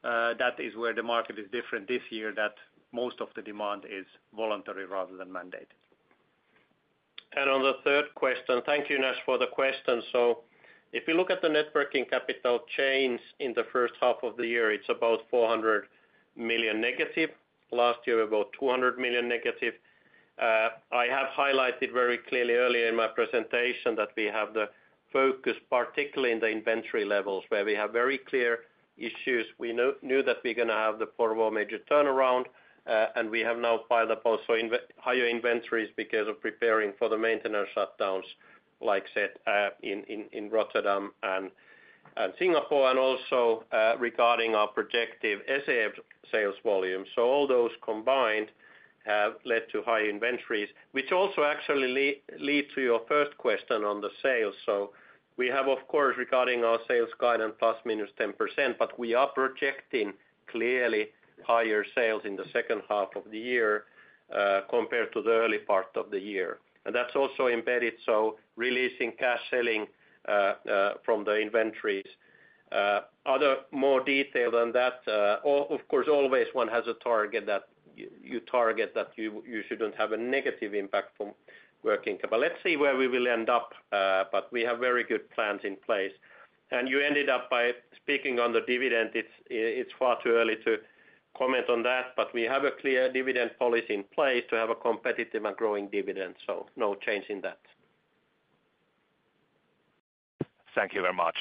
That is where the market is different this year, that most of the demand is voluntary rather than mandated. And on the third question, thank you, Naisheng, for the question. So if we look at the net working capital chains in the first half of the year, it's about 400 million negative. Last year, about 200 million negative. I have highlighted very clearly earlier in my presentation that we have the focus particularly in the inventory levels where we have very clear issues. We knew that we're going to have the Porvoo major turnaround, and we have now piled up also higher inventories because of preparing for the maintenance shutdowns, like said in Rotterdam and Singapore, and also regarding our projected SAF sales volume. So all those combined have led to high inventories, which also actually lead to your first question on the sales. So we have, of course, regarding our sales guidance, ±10%, but we are projecting clearly higher sales in the second half of the year compared to the early part of the year. And that's also embedded. So releasing cash selling from the inventories. Other more detail than that, of course, always one has a target that you target that you shouldn't have a negative impact from working capital. Let's see where we will end up, but we have very good plans in place. You ended up by speaking on the dividend. It's far too early to comment on that, but we have a clear dividend policy in place to have a competitive and growing dividend. No change in that. Thank you very much.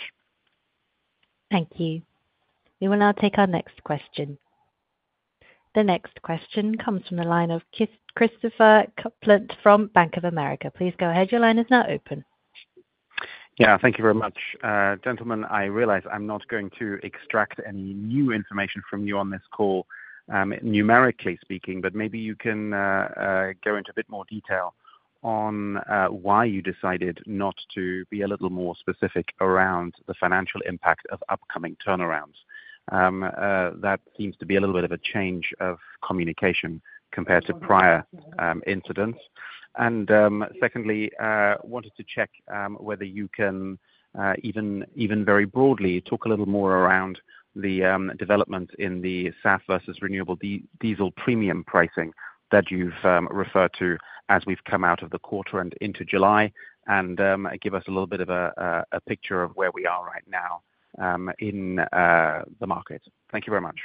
Thank you. We will now take our next question. The next question comes from the line of Christopher Kuplent from Bank of America. Please go ahead. Your line is now open. Yeah. Thank you very much. Gentlemen, I realize I'm not going to extract any new information from you on this call, numerically speaking, but maybe you can go into a bit more detail on why you decided not to be a little more specific around the financial impact of upcoming turnarounds. That seems to be a little bit of a change of communication compared to prior incidents. And secondly, I wanted to check whether you can even very broadly talk a little more around the development in the SAF versus renewable diesel premium pricing that you've referred to as we've come out of the quarter and into July and give us a little bit of a picture of where we are right now in the market. Thank you very much.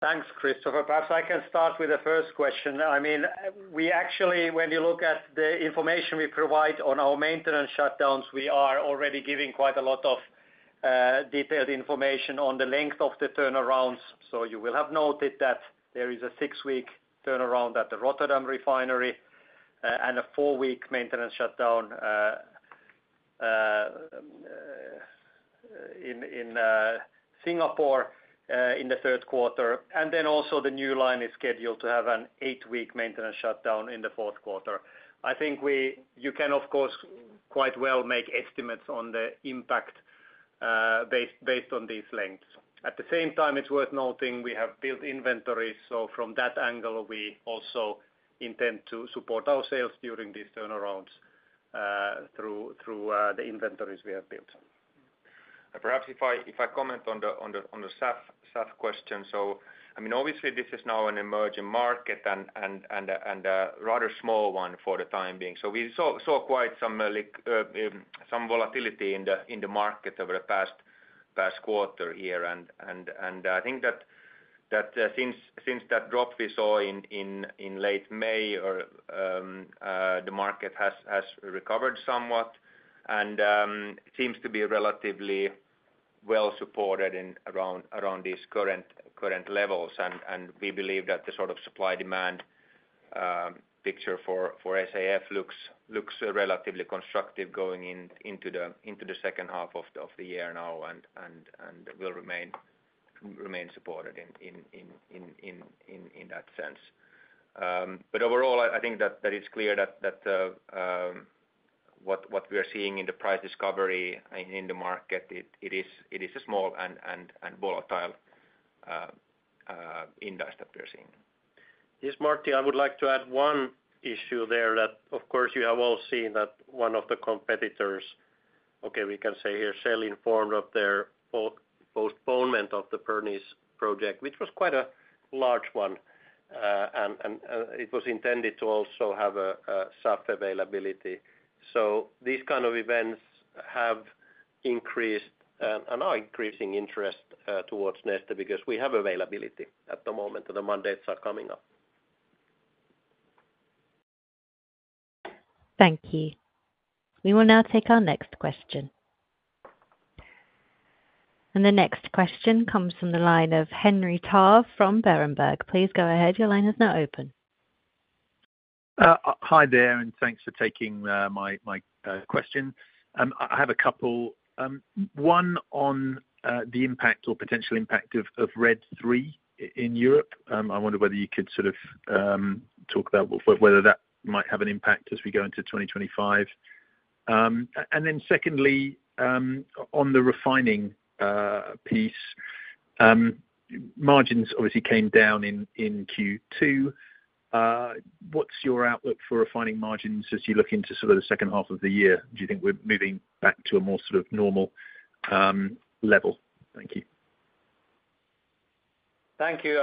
Thanks, Christopher. Perhaps I can start with the first question. I mean, we actually, when you look at the information we provide on our maintenance shutdowns, we are already giving quite a lot of detailed information on the length of the turnarounds. So you will have noted that there is a 6-week turnaround at the Rotterdam refinery and a 4-week maintenance shutdown in Singapore in the third quarter. And then also the new line is scheduled to have an 8-week maintenance shutdown in the fourth quarter. I think you can, of course, quite well make estimates on the impact based on these lengths. At the same time, it's worth noting we have built inventories. So from that angle, we also intend to support our sales during these turnarounds through the inventories we have built. Perhaps if I comment on the SAF question. So I mean, obviously, this is now an emerging market and a rather small one for the time being. So we saw quite some volatility in the market over the past quarter here. And I think that since that drop we saw in late May, the market has recovered somewhat. And it seems to be relatively well supported around these current levels. And we believe that the sort of supply-demand picture for SAF looks relatively constructive going into the second half of the year now and will remain supported in that sense. But overall, I think that it's clear that what we are seeing in the price discovery in the market, it is a small and volatile index that we're seeing. Yes, Martti, I would like to add one issue there that, of course, you have all seen that one of the competitors, okay, we can say here, Shell informed of their postponement of the Pernis project, which was quite a large one. And it was intended to also have a SAF availability. So these kind of events have increased and are increasing interest towards Neste because we have availability at the moment and the mandates are coming up. Thank you. We will now take our next question. The next question comes from the line of Henry Tarr from Berenberg. Please go ahead. Your line is now open. Hi there, and thanks for taking my question. I have a couple. One on the impact or potential impact of RED III in Europe. I wondered whether you could sort of talk about whether that might have an impact as we go into 2025. And then secondly, on the refining piece, margins obviously came down in Q2. What's your outlook for refining margins as you look into sort of the second half of the year? Do you think we're moving back to a more sort of normal level? Thank you. Thank you,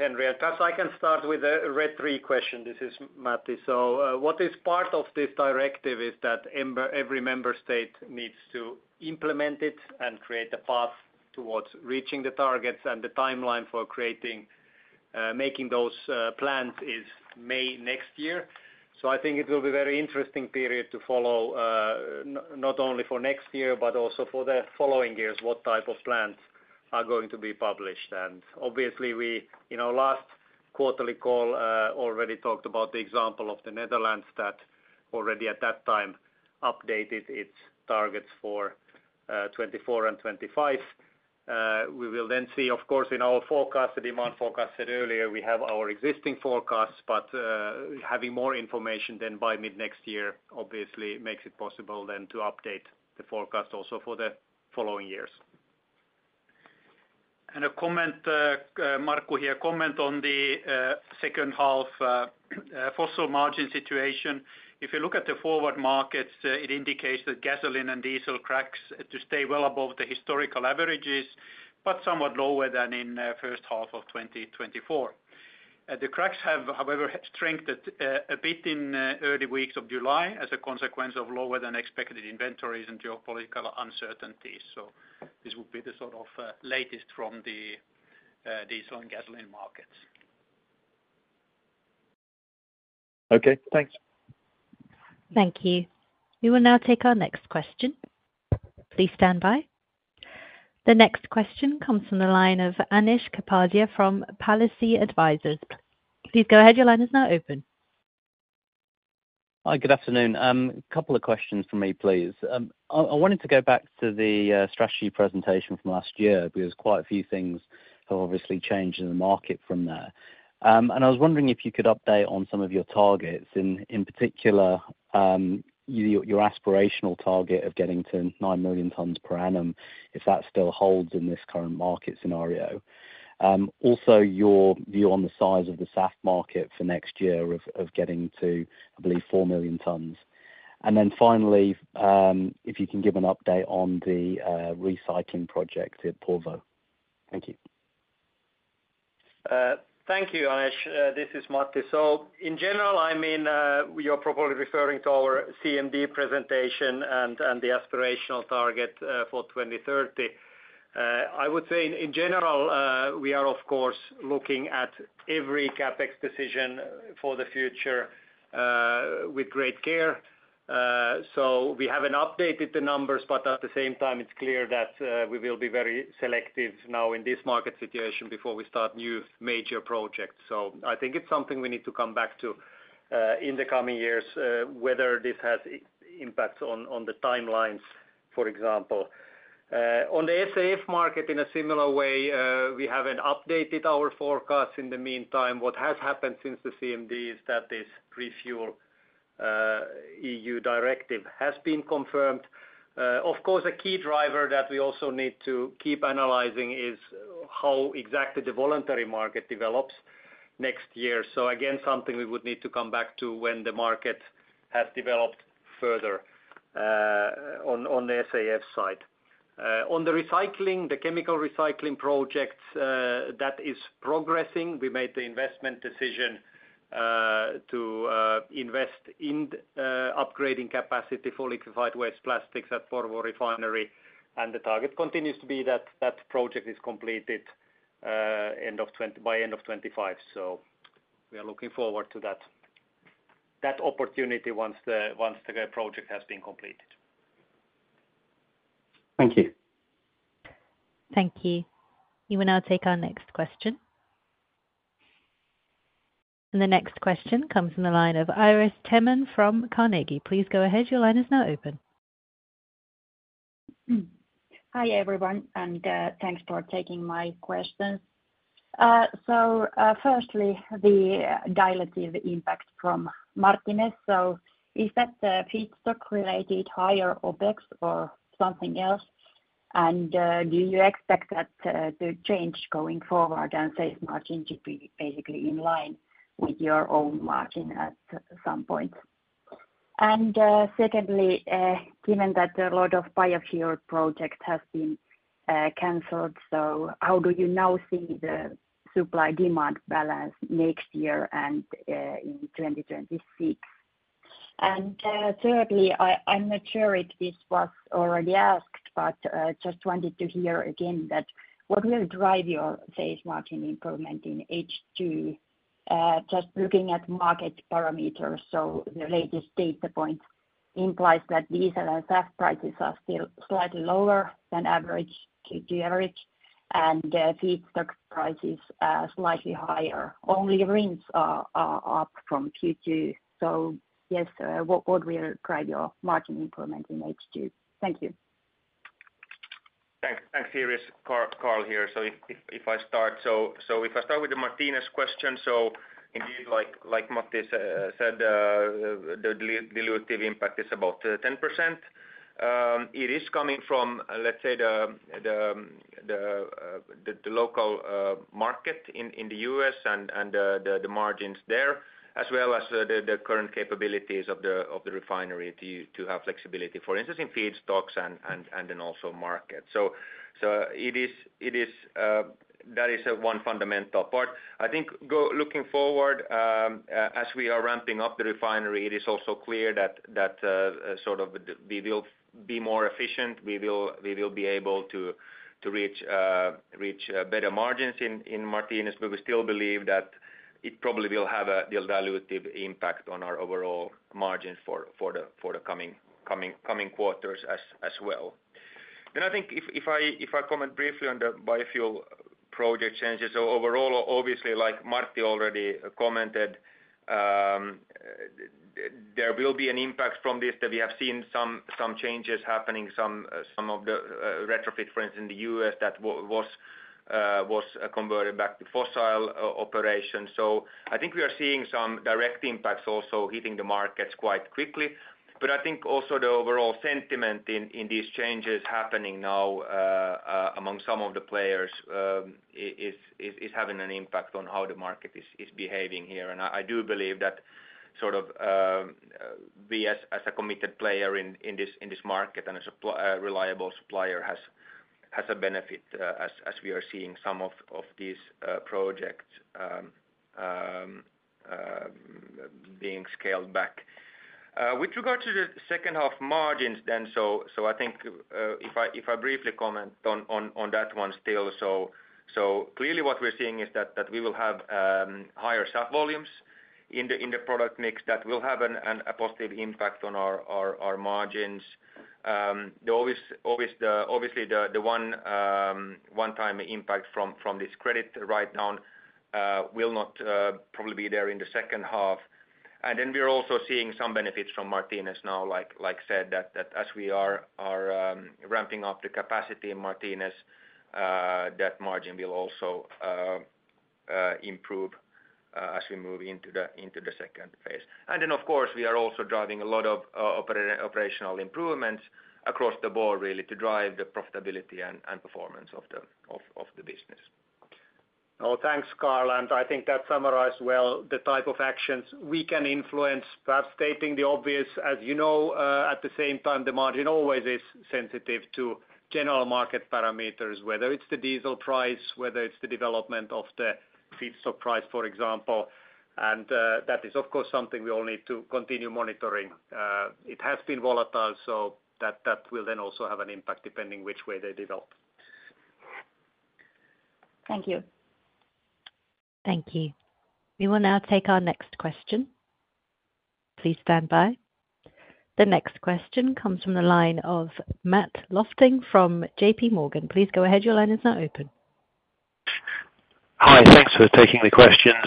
Henry. Perhaps I can start with the RED III question. This is Matti. What is part of this directive is that every member state needs to implement it and create a path towards reaching the targets. The timeline for making those plans is May next year. I think it will be a very interesting period to follow not only for next year, but also for the following years what type of plans are going to be published. Obviously, we in our last quarterly call already talked about the example of the Netherlands that already at that time updated its targets for 2024 and 2025. We will then see, of course, in our forecast, the demand forecast said earlier. We have our existing forecasts, but having more information then by mid-next year obviously makes it possible then to update the forecast also for the following years. A comment, Markku here, comment on the second half fossil margin situation. If you look at the forward markets, it indicates that gasoline and diesel cracks to stay well above the historical averages, but somewhat lower than in the first half of 2024. The cracks have, however, strengthened a bit in early weeks of July as a consequence of lower than expected inventories and geopolitical uncertainties. So this would be the sort of latest from the diesel and gasoline markets. Okay. Thanks. Thank you. We will now take our next question. Please stand by. The next question comes from the line of Anish Kapadia from Palissy Advisors. Please go ahead. Your line is now open. Hi, good afternoon. A couple of questions for me, please. I wanted to go back to the strategy presentation from last year because quite a few things have obviously changed in the market from there. I was wondering if you could update on some of your targets, in particular your aspirational target of getting to 9 million tons per annum, if that still holds in this current market scenario. Also, your view on the size of the SAF market for next year of getting to, I believe, 4 million tons. Then finally, if you can give an update on the recycling project at Porvoo. Thank you. Thank you, Anish. This is Martti. So in general, I mean, you're probably referring to our CMD presentation and the aspirational target for 2030. I would say in general, we are, of course, looking at every CapEx decision for the future with great care. So we haven't updated the numbers, but at the same time, it's clear that we will be very selective now in this market situation before we start new major projects. So I think it's something we need to come back to in the coming years, whether this has impacts on the timelines, for example. On the SAF market, in a similar way, we haven't updated our forecasts in the meantime. What has happened since the CMD is that this RefuelEU directive has been confirmed. Of course, a key driver that we also need to keep analyzing is how exactly the voluntary market develops next year. So again, something we would need to come back to when the market has developed further on the SAF side. On the recycling, the chemical recycling projects, that is progressing. We made the investment decision to invest in upgrading capacity for liquefied waste plastics at Porvoo Refinery. And the target continues to be that that project is completed by end of 2025. So we are looking forward to that opportunity once the project has been completed. Thank you. Thank you. We will now take our next question. The next question comes from the line of Iiris Theman from Carnegie. Please go ahead. Your line is now open. Hi everyone, and thanks for taking my questions. So firstly, the diluted impact from Martinez. So is that feedstock-related higher OpEx or something else? And do you expect that to change going forward and sales margin to be basically in line with your own margin at some point? And secondly, given that a lot of biofuel projects have been canceled, so how do you now see the supply-demand balance next year and in 2026? And thirdly, I'm not sure if this was already asked, but just wanted to hear again that what will drive your sales margin improvement in H2, just looking at market parameters? So the latest data point implies that diesel and SAF prices are still slightly lower than average Q2 average, and feedstock prices are slightly higher. Only RINs are up from Q2. So yes, what will drive your margin improvement in H2? Thank you. Thanks, Iiris. Carl here. So if I start with the Martinez question, so indeed, like Martti said, the dilutive impact is about 10%. It is coming from, let's say, the local market in the U.S. and the margins there, as well as the current capabilities of the refinery to have flexibility, for instance, in feedstocks and then also market. So that is one fundamental part. I think looking forward, as we are ramping up the refinery, it is also clear that sort of we will be more efficient. We will be able to reach better margins in Martinez because we still believe that it probably will have a dilutive impact on our overall margin for the coming quarters as well. Then I think if I comment briefly on the biofuel project changes, so overall, obviously, like Martti already commented, there will be an impact from this that we have seen some changes happening, some of the retrofit, for instance, in the U.S. that was converted back to fossil operations. So I think we are seeing some direct impacts also hitting the markets quite quickly. But I think also the overall sentiment in these changes happening now among some of the players is having an impact on how the market is behaving here. And I do believe that sort of we as a committed player in this market and as a reliable supplier has a benefit as we are seeing some of these projects being scaled back. With regard to the second half margins then, so I think if I briefly comment on that one still, so clearly what we're seeing is that we will have higher SAF volumes in the product mix that will have a positive impact on our margins. Obviously, the one-time impact from this credit right now will not probably be there in the second half. And then we're also seeing some benefits from Martinez now, like said, that as we are ramping up the capacity in Martinez, that margin will also improve as we move into the second phase. And then, of course, we are also driving a lot of operational improvements across the board really to drive the profitability and performance of the business. Well, thanks, Carl. I think that summarized well the type of actions we can influence, perhaps stating the obvious, as you know, at the same time, the margin always is sensitive to general market parameters, whether it's the diesel price, whether it's the development of the feedstock price, for example. That is, of course, something we all need to continue monitoring. It has been volatile, so that will then also have an impact depending which way they develop. Thank you. Thank you. We will now take our next question. Please stand by. The next question comes from the line of Matthew Lofting from JPMorgan. Please go ahead. Your line is now open. Hi, thanks for taking the questions.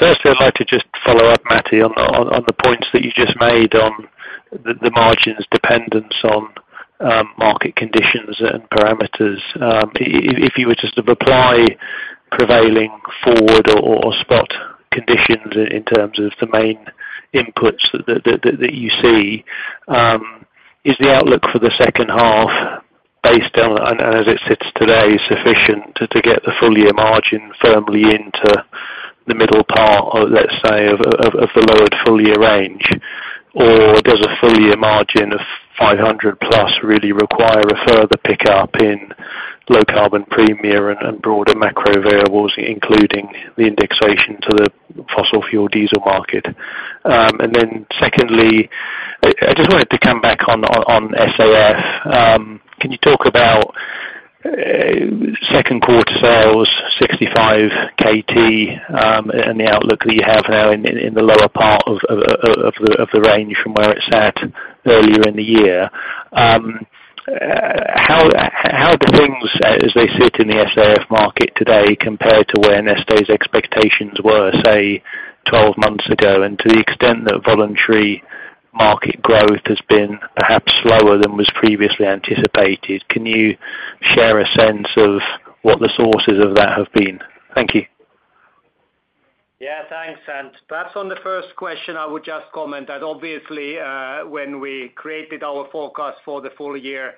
First, I'd like to just follow up, Matti, on the points that you just made on the margin's dependence on market conditions and parameters. If you were to sort of apply prevailing forward or spot conditions in terms of the main inputs that you see, is the outlook for the second half based on, and as it sits today, sufficient to get the full-year margin firmly into the middle part, let's say, of the lowered full-year range? Or does a full-year margin of 500 plus really require a further pickup in low-carbon premiums and broader macro variables, including the indexation to the fossil fuel diesel market? And then secondly, I just wanted to come back on SAF. Can you talk about second quarter sales, 65 KT, and the outlook that you have now in the lower part of the range from where it sat earlier in the year? How do things, as they sit in the SAF market today, compare to where Neste's expectations were, say, 12 months ago? And to the extent that voluntary market growth has been perhaps slower than was previously anticipated, can you share a sense of what the sources of that have been? Thank you. Yeah, thanks. Perhaps on the first question, I would just comment that obviously, when we created our forecast for the full year,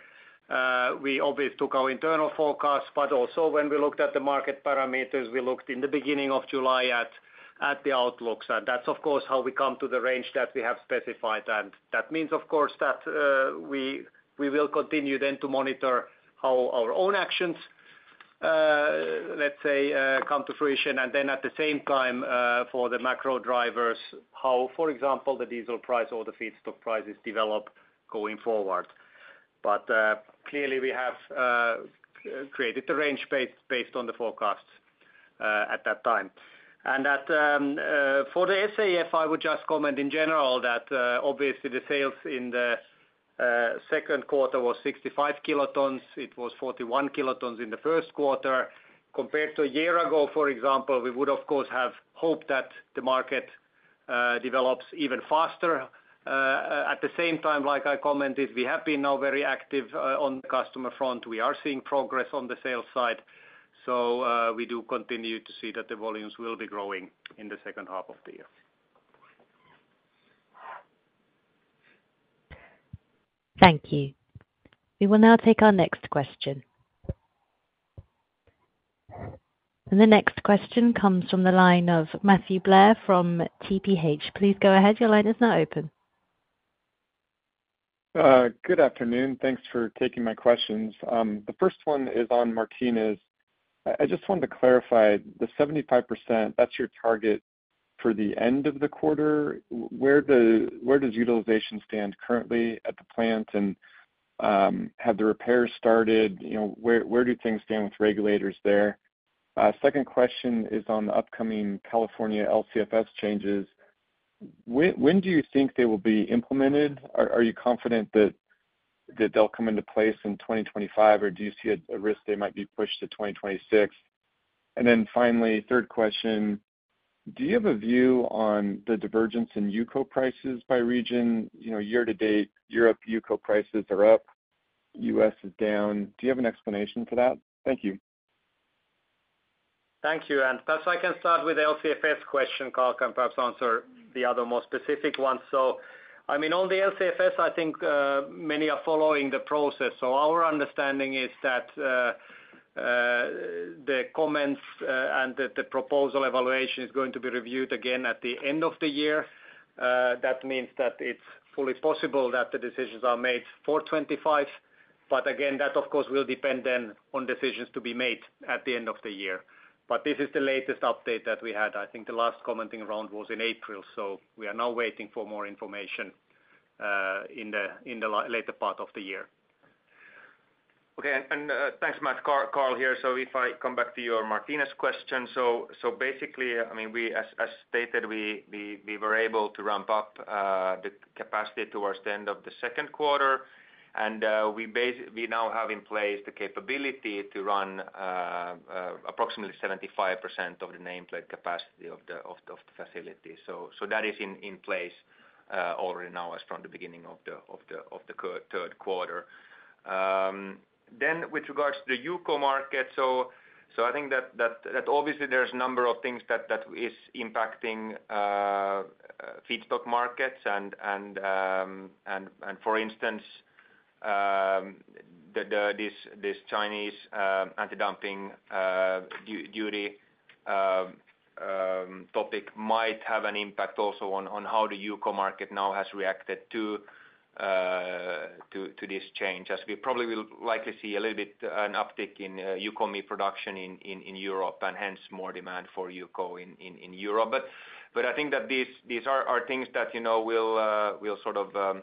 we obviously took our internal forecast, but also when we looked at the market parameters, we looked in the beginning of July at the outlooks. That's, of course, how we come to the range that we have specified. That means, of course, that we will continue then to monitor how our own actions, let's say, come to fruition. Then at the same time, for the macro drivers, how, for example, the diesel price or the feedstock prices develop going forward. But clearly, we have created the range based on the forecasts at that time. For the SAF, I would just comment in general that obviously the sales in the second quarter was 65 kilotons. It was 41 kilotons in the first quarter. Compared to a year ago, for example, we would, of course, have hoped that the market develops even faster. At the same time, like I commented, we have been now very active on the customer front. We are seeing progress on the sales side. So we do continue to see that the volumes will be growing in the second half of the year. Thank you. We will now take our next question. The next question comes from the line of Matthew Blair from TPH. Please go ahead. Your line is now open. Good afternoon. Thanks for taking my questions. The first one is on Martinez. I just wanted to clarify the 75%, that's your target for the end of the quarter. Where does utilization stand currently at the plant? And have the repairs started? Where do things stand with regulators there? Second question is on the upcoming California LCFS changes. When do you think they will be implemented? Are you confident that they'll come into place in 2025, or do you see a risk they might be pushed to 2026? And then finally, third question, do you have a view on the divergence in UCO prices by region? Year-to-date, Europe UCO prices are up, U.S. is down. Do you have an explanation for that? Thank you. Thank you. Perhaps I can start with LCFS question, Carl, and perhaps answer the other more specific ones. I mean, on the LCFS, I think many are following the process. Our understanding is that the comments and the proposal evaluation is going to be reviewed again at the end of the year. That means that it's fully possible that the decisions are made for 2025. But again, that, of course, will depend then on decisions to be made at the end of the year. But this is the latest update that we had. I think the last commenting round was in April. We are now waiting for more information in the later part of the year. Okay. Thanks, Matt, Carl here. So if I come back to your Martinez question, so basically, I mean, as stated, we were able to ramp up the capacity towards the end of the second quarter. We now have in place the capability to run approximately 75% of the nameplate capacity of the facility. That is in place already now as from the beginning of the third quarter. With regards to the UCO market, so I think that obviously there's a number of things that is impacting feedstock markets. For instance, this Chinese anti-dumping duty topic might have an impact also on how the UCO market now has reacted to this change, as we probably will likely see a little bit an uptick in UCOME production in Europe and hence more demand for UCO in Europe. I think that these are things that will sort of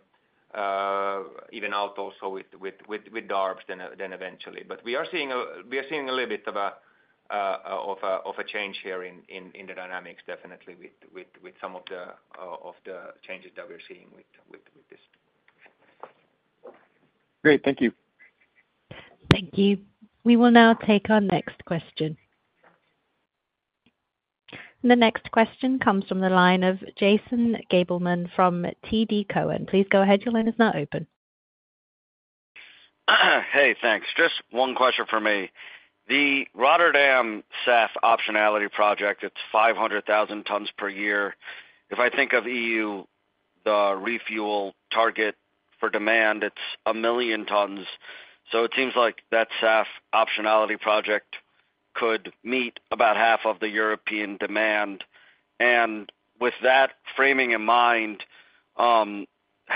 even out also with DARPS then eventually. We are seeing a little bit of a change here in the dynamics, definitely with some of the changes that we're seeing with this. Great. Thank you. Thank you. We will now take our next question. The next question comes from the line of Jason Gabelman from TD Cowen. Please go ahead. Your line is now open. Hey, thanks. Just one question for me. The Rotterdam SAF optionality project, it's 500,000 tons per year. If I think of EU refuel target for demand, it's 1 million tons. So it seems like that SAF optionality project could meet about half of the European demand. And with that framing in mind, how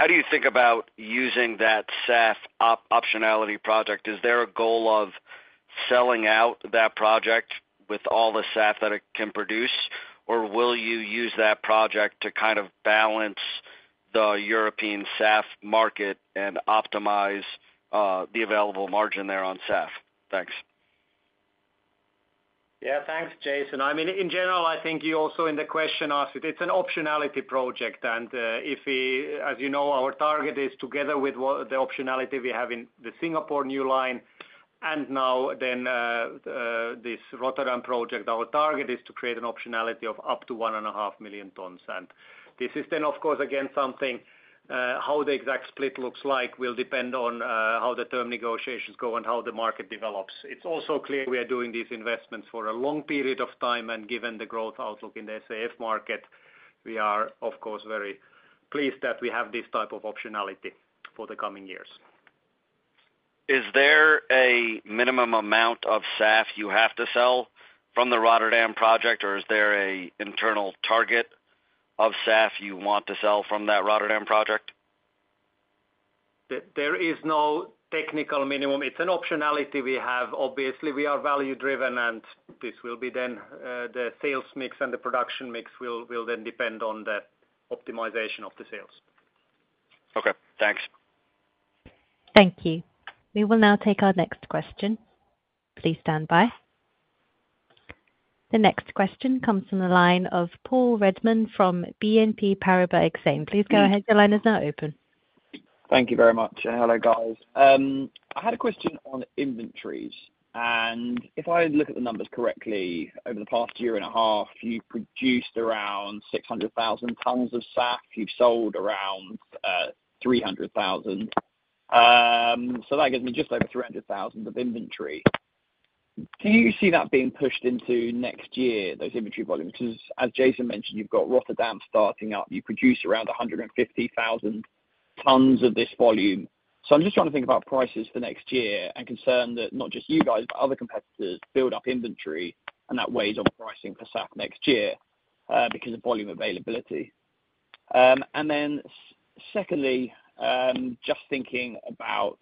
do you think about using that SAF optionality project? Is there a goal of selling out that project with all the SAF that it can produce, or will you use that project to kind of balance the European SAF market and optimize the available margin there on SAF? Thanks. Yeah, thanks, Jason. I mean, in general, I think you also in the question asked, it's an optionality project. And as you know, our target is together with the optionality we have in the Singapore new line and now then this Rotterdam project, our target is to create an optionality of up to 1.5 million tons. And this is then, of course, again, something how the exact split looks like will depend on how the term negotiations go and how the market develops. It's also clear we are doing these investments for a long period of time. And given the growth outlook in the SAF market, we are, of course, very pleased that we have this type of optionality for the coming years. Is there a minimum amount of SAF you have to sell from the Rotterdam project, or is there an internal target of SAF you want to sell from that Rotterdam project? There is no technical minimum. It's an optionality we have. Obviously, we are value-driven, and this will be then the sales mix and the production mix will then depend on the optimization of the sales. Okay. Thanks. Thank you. We will now take our next question. Please stand by. The next question comes from the line of Paul Redman from BNP Paribas Exane. Please go ahead. Your line is now open. Thank you very much. Hello, guys. I had a question on inventories. If I look at the numbers correctly, over the past year and a half, you produced around 600,000 tons of SAF. You've sold around 300,000. So that gives me just over 300,000 of inventory. Do you see that being pushed into next year, those inventory volumes? Because as Jason mentioned, you've got Rotterdam starting up. You produce around 150,000 tons of this volume. So I'm just trying to think about prices for next year and concern that not just you guys, but other competitors build up inventory, and that weighs on pricing for SAF next year because of volume availability. Then secondly, just thinking about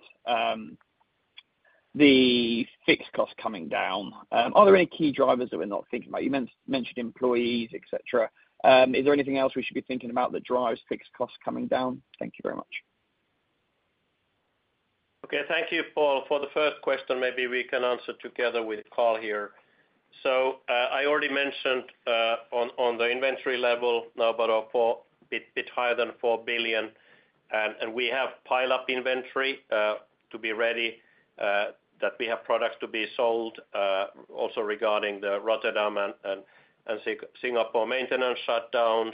the fixed costs coming down, are there any key drivers that we're not thinking about? You mentioned employees, etc. Is there anything else we should be thinking about that drives fixed costs coming down? Thank you very much. Okay. Thank you, Paul. For the first question, maybe we can answer together with Carl here. So I already mentioned on the inventory level, now about a bit higher than 4 billion. And we have pile-up inventory to be ready that we have products to be sold. Also regarding the Rotterdam and Singapore maintenance shutdowns,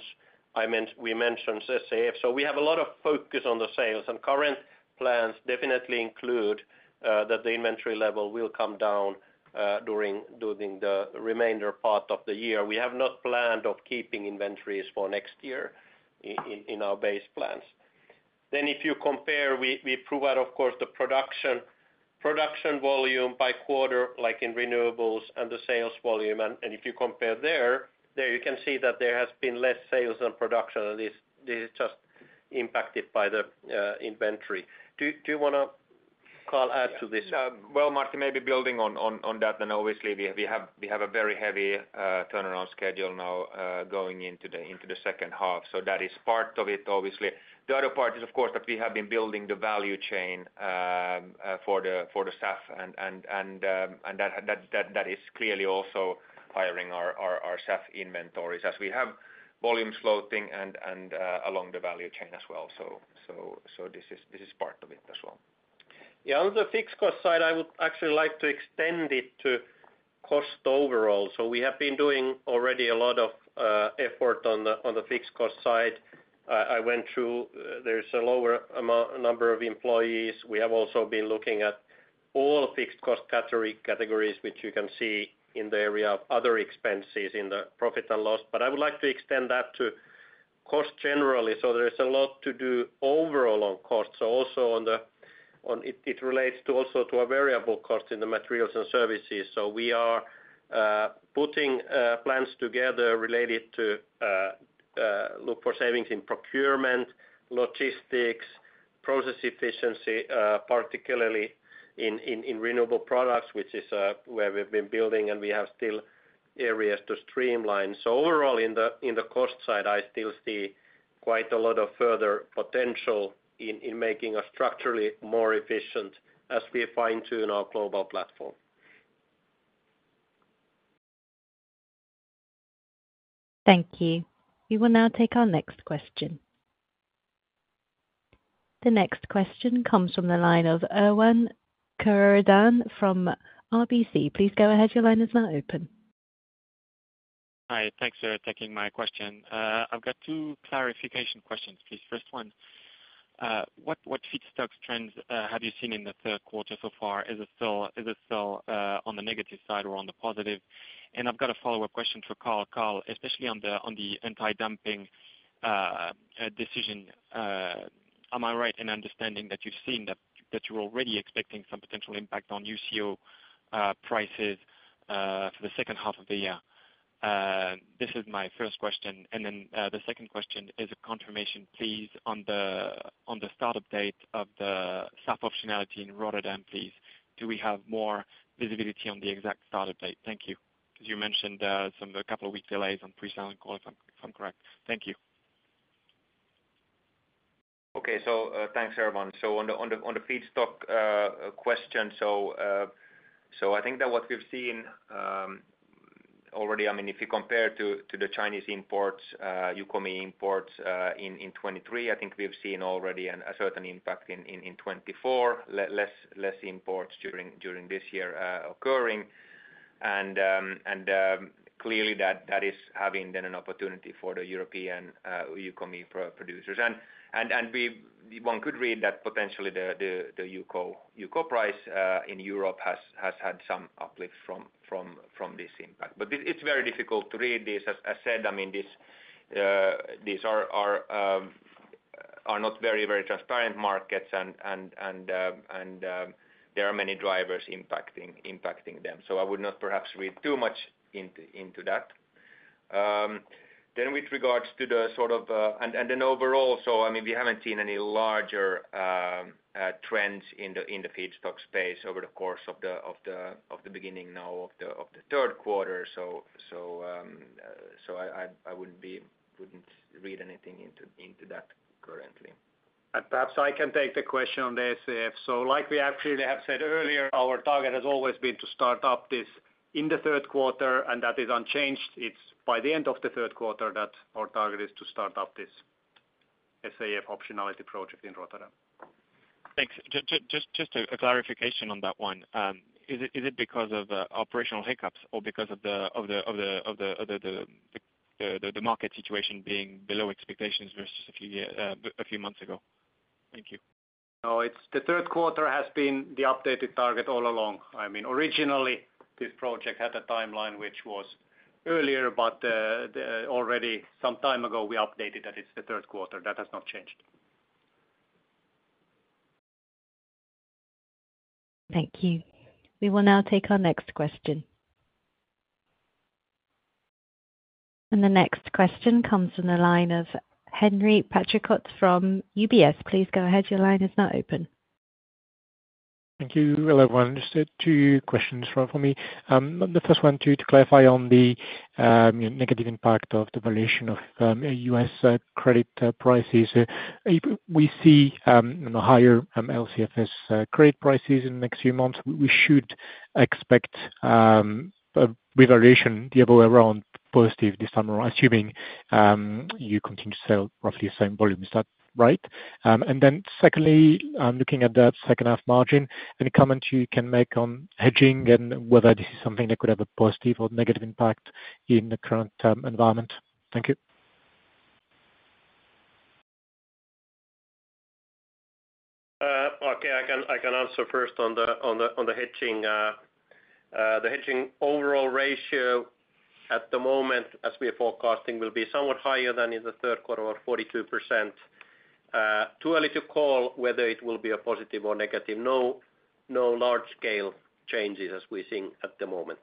we mentioned SAF. So we have a lot of focus on the sales. And current plans definitely include that the inventory level will come down during the remainder part of the year. We have not planned on keeping inventories for next year in our base plans. Then if you compare, we provide, of course, the production volume by quarter, like in renewables, and the sales volume. And if you compare there, you can see that there has been less sales than production. This is just impacted by the inventory. Do you want to, Carl, add to this? Well, Martti, maybe building on that, then obviously we have a very heavy turnaround schedule now going into the second half. So that is part of it, obviously. The other part is, of course, that we have been building the value chain for the SAF. And that is clearly also higher our SAF inventories as we have volume sloping up along the value chain as well. So this is part of it as well. Yeah. On the fixed cost side, I would actually like to extend it to cost overall. So we have been doing already a lot of effort on the fixed cost side. I went through; there's a lower number of employees. We have also been looking at all fixed cost categories, which you can see in the area of other expenses in the profit and loss. But I would like to extend that to cost generally. So there's a lot to do overall on cost. So also it relates also to a variable cost in the materials and services. So we are putting plans together related to look for savings in procurement, logistics, process efficiency, particularly in renewable products, which is where we've been building, and we have still areas to streamline. Overall, in the cost side, I still see quite a lot of further potential in making us structurally more efficient as we fine-tune our global platform. Thank you. We will now take our next question. The next question comes from the line of Erwan Kerouredan from RBC. Please go ahead. Your line is now open. Hi. Thanks for taking my question. I've got two clarification questions, please. First one, what feedstock trends have you seen in the third quarter so far? Is it still on the negative side or on the positive? And I've got a follow-up question for Carl. Carl, especially on the anti-dumping decision, am I right in understanding that you've seen that you're already expecting some potential impact on UCO prices for the second half of the year? This is my first question. And then the second question is a confirmation, please, on the startup date of the SAF optionality in Rotterdam, please. Do we have more visibility on the exact startup date? Thank you. As you mentioned, some of the couple of week delays on pre-close call, if I'm correct. Thank you. Okay. So thanks, Erwan. So on the feedstock question, so I think that what we've seen already, I mean, if you compare to the Chinese imports, UCOME imports in 2023, I think we've seen already a certain impact in 2024, less imports during this year occurring. And clearly, that is having then an opportunity for the European UCOME producers. And one could read that potentially the UCO price in Europe has had some uplift from this impact. But it's very difficult to read this. As I said, I mean, these are not very, very transparent markets, and there are many drivers impacting them. So I would not perhaps read too much into that. Then with regards to the sort of, and then overall, so I mean, we haven't seen any larger trends in the feedstock space over the course of the beginning now of the third quarter. So I wouldn't read anything into that currently. Perhaps I can take the question on the SAF. So like we actually have said earlier, our target has always been to start up this in the third quarter, and that is unchanged. It's by the end of the third quarter that our target is to start up this SAF optionality project in Rotterdam. Thanks. Just a clarification on that one. Is it because of operational hiccups or because of the market situation being below expectations versus a few months ago? Thank you. No, it's the third quarter has been the updated target all along. I mean, originally, this project had a timeline which was earlier, but already some time ago, we updated that it's the third quarter. That has not changed. Thank you. We will now take our next question. The next question comes from the line of Henri Patricot from UBS. Please go ahead. Your line is now open. Thank you, Erwan. Just two questions for me. The first one, to clarify on the negative impact of the valuation of U.S. credit prices. We see higher LCFS credit prices in the next few months. We should expect revaluation to be around positive this summer, assuming you continue to sell roughly the same volume. Is that right? And then secondly, looking at that second-half margin, any comment you can make on hedging and whether this is something that could have a positive or negative impact in the current environment? Thank you. Okay. I can answer first on the hedging. The hedging overall ratio at the moment, as we are forecasting, will be somewhat higher than in the third quarter or 42%. Too early to call whether it will be a positive or negative. No large-scale changes as we're seeing at the moment.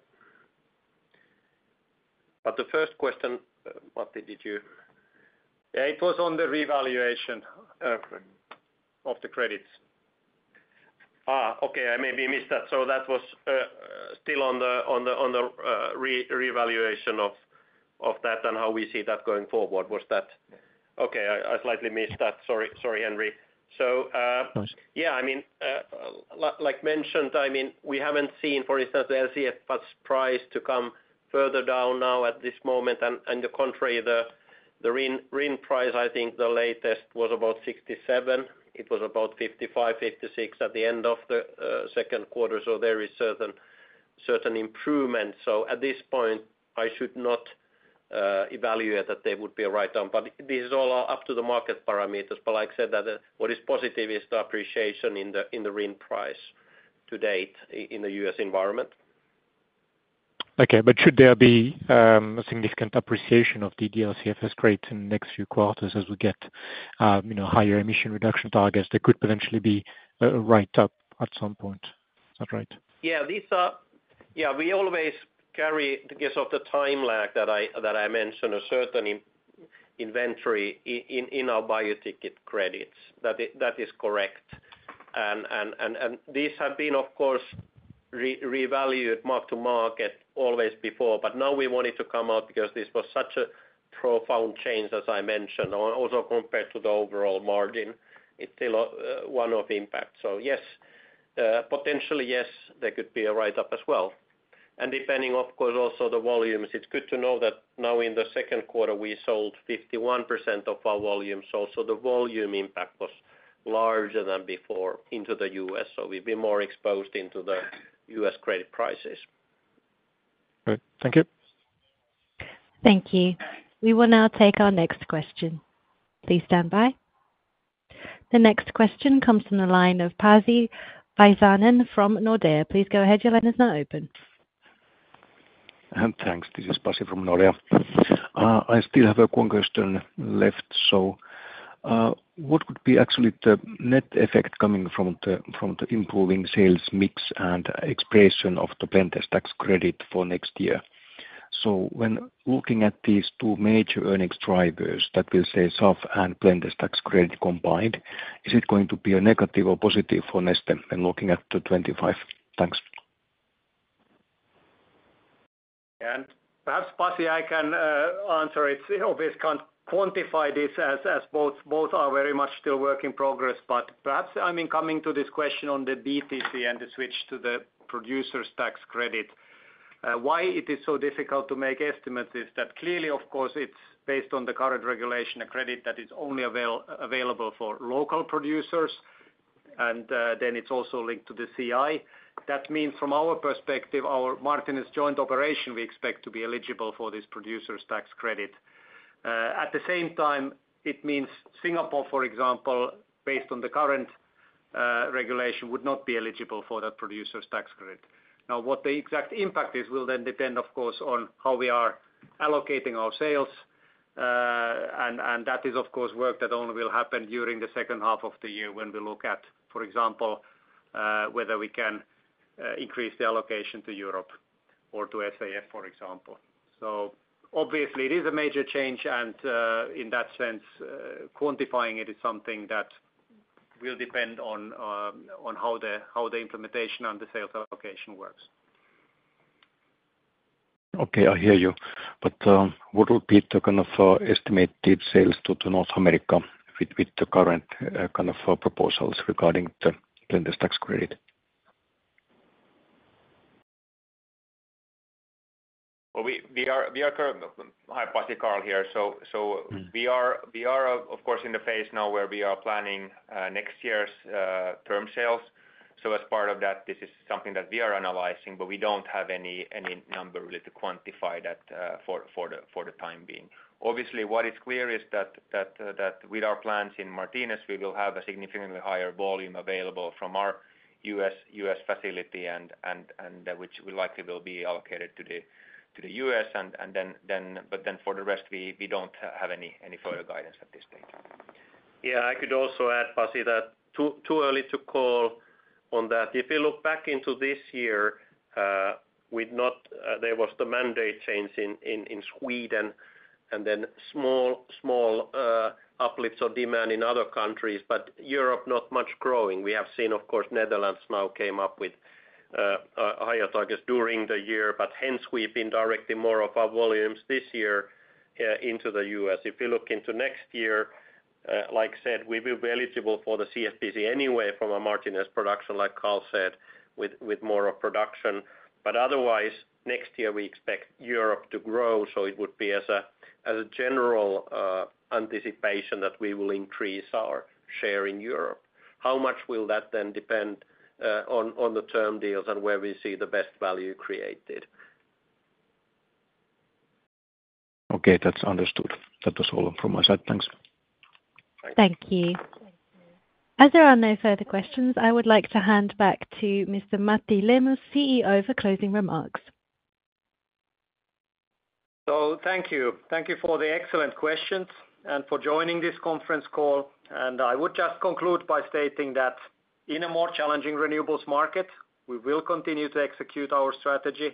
But the first question, Martti, did you? Yeah, it was on the revaluation of the credits. Okay. I maybe missed that. So that was still on the revaluation of that and how we see that going forward. Was that? Okay. I slightly missed that. Sorry, Henry. So yeah, I mean, like mentioned, I mean, we haven't seen, for instance, the LCFS price to come further down now at this moment. And the contrary, the RIN price, I think the latest was about 67. It was about 55, 56 at the end of the second quarter. There is certain improvement. At this point, I should not evaluate that there would be a write-down. But this is all up to the market parameters. But like I said, what is positive is the appreciation in the RIN price to date in the U.S. environment. Okay. But should there be a significant appreciation of the LCFS credits in the next few quarters as we get higher emission reduction targets, there could potentially be a write-up at some point. Is that right? Yeah. Yeah. We always carry because of the time lag that I mentioned, a certain inventory in our Bio-ticket credits. That is correct. And these have been, of course, revalued mark-to-market always before. But now we want it to come out because this was such a profound change, as I mentioned, also compared to the overall margin. It's still one of impact. So yes, potentially, yes, there could be a write-up as well. And depending, of course, also on the volumes. It's good to know that now in the second quarter, we sold 51% of our volumes. So the volume impact was larger than before into the U.S. So we've been more exposed into the U.S. credit prices. Great. Thank you. Thank you. We will now take our next question. Please stand by. The next question comes from the line of Pasi Väisänen from Nordea. Please go ahead. Your line is now open. Thanks. This is Pasi from Nordea. I still have one question left. So what would be actually the net effect coming from the improving sales mix and extension of the Blender's Tax Credit for next year? So when looking at these two major earnings drivers, that is to say SAF and Blender's Tax Credit combined, is it going to be a negative or positive for Neste when looking at the 2025? Thanks. Yeah. And perhaps Pasi, I can answer. It is obvious we can't quantify this as both are very much still a work in progress. But perhaps, I mean, coming to this question on the BTC and the switch to the producer's tax credit, why it is so difficult to make estimates is that clearly, of course, it's based on the current regulation, a credit that is only available for local producers. And then it's also linked to the CI. That means from our perspective, our Martinez's joint operation, we expect to be eligible for this producer's tax credit. At the same time, it means Singapore, for example, based on the current regulation, would not be eligible for that producer's tax credit. Now, what the exact impact is will then depend, of course, on how we are allocating our sales. And that is, of course, work that only will happen during the second half of the year when we look at, for example, whether we can increase the allocation to Europe or to SAF, for example. So obviously, it is a major change. And in that sense, quantifying it is something that will depend on how the implementation and the sales allocation works. Okay. I hear you. But what would be the kind of estimated sales to North America with the current kind of proposals regarding the Blender's Tax Credit? Well, we are currently. Hi, Pasi, Carl here. So we are, of course, in the phase now where we are planning next year's term sales. So as part of that, this is something that we are analyzing, but we don't have any number really to quantify that for the time being. Obviously, what is clear is that with our plans in Martinez, we will have a significantly higher volume available from our US facility, which will likely be allocated to the US. But then for the rest, we don't have any further guidance at this stage. Yeah. I could also add, Pasi, that too early to call on that. If you look back into this year, there was the mandate change in Sweden and then small uplifts of demand in other countries, but Europe not much growing. We have seen, of course, Netherlands now came up with higher targets during the year, but hence we've been directing more of our volumes this year into the US. If you look into next year, like I said, we will be eligible for the CFPC anyway from a Martinez production, like Carl said, with more of production. But otherwise, next year, we expect Europe to grow. So it would be as a general anticipation that we will increase our share in Europe. How much will that then depend on the term deals and where we see the best value created? Okay. That's understood. That was all from my side. Thanks. Thank you. As there are no further questions, I would like to hand back to Mr. Matti Lehmus, CEO, for closing remarks. Thank you. Thank you for the excellent questions and for joining this conference call. I would just conclude by stating that in a more challenging renewables market, we will continue to execute our strategy.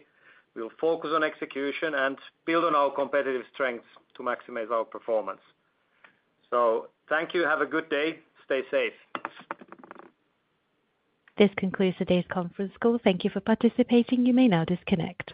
We'll focus on execution and build on our competitive strengths to maximize our performance. Thank you. Have a good day. Stay safe. This concludes today's conference call. Thank you for participating. You may now disconnect.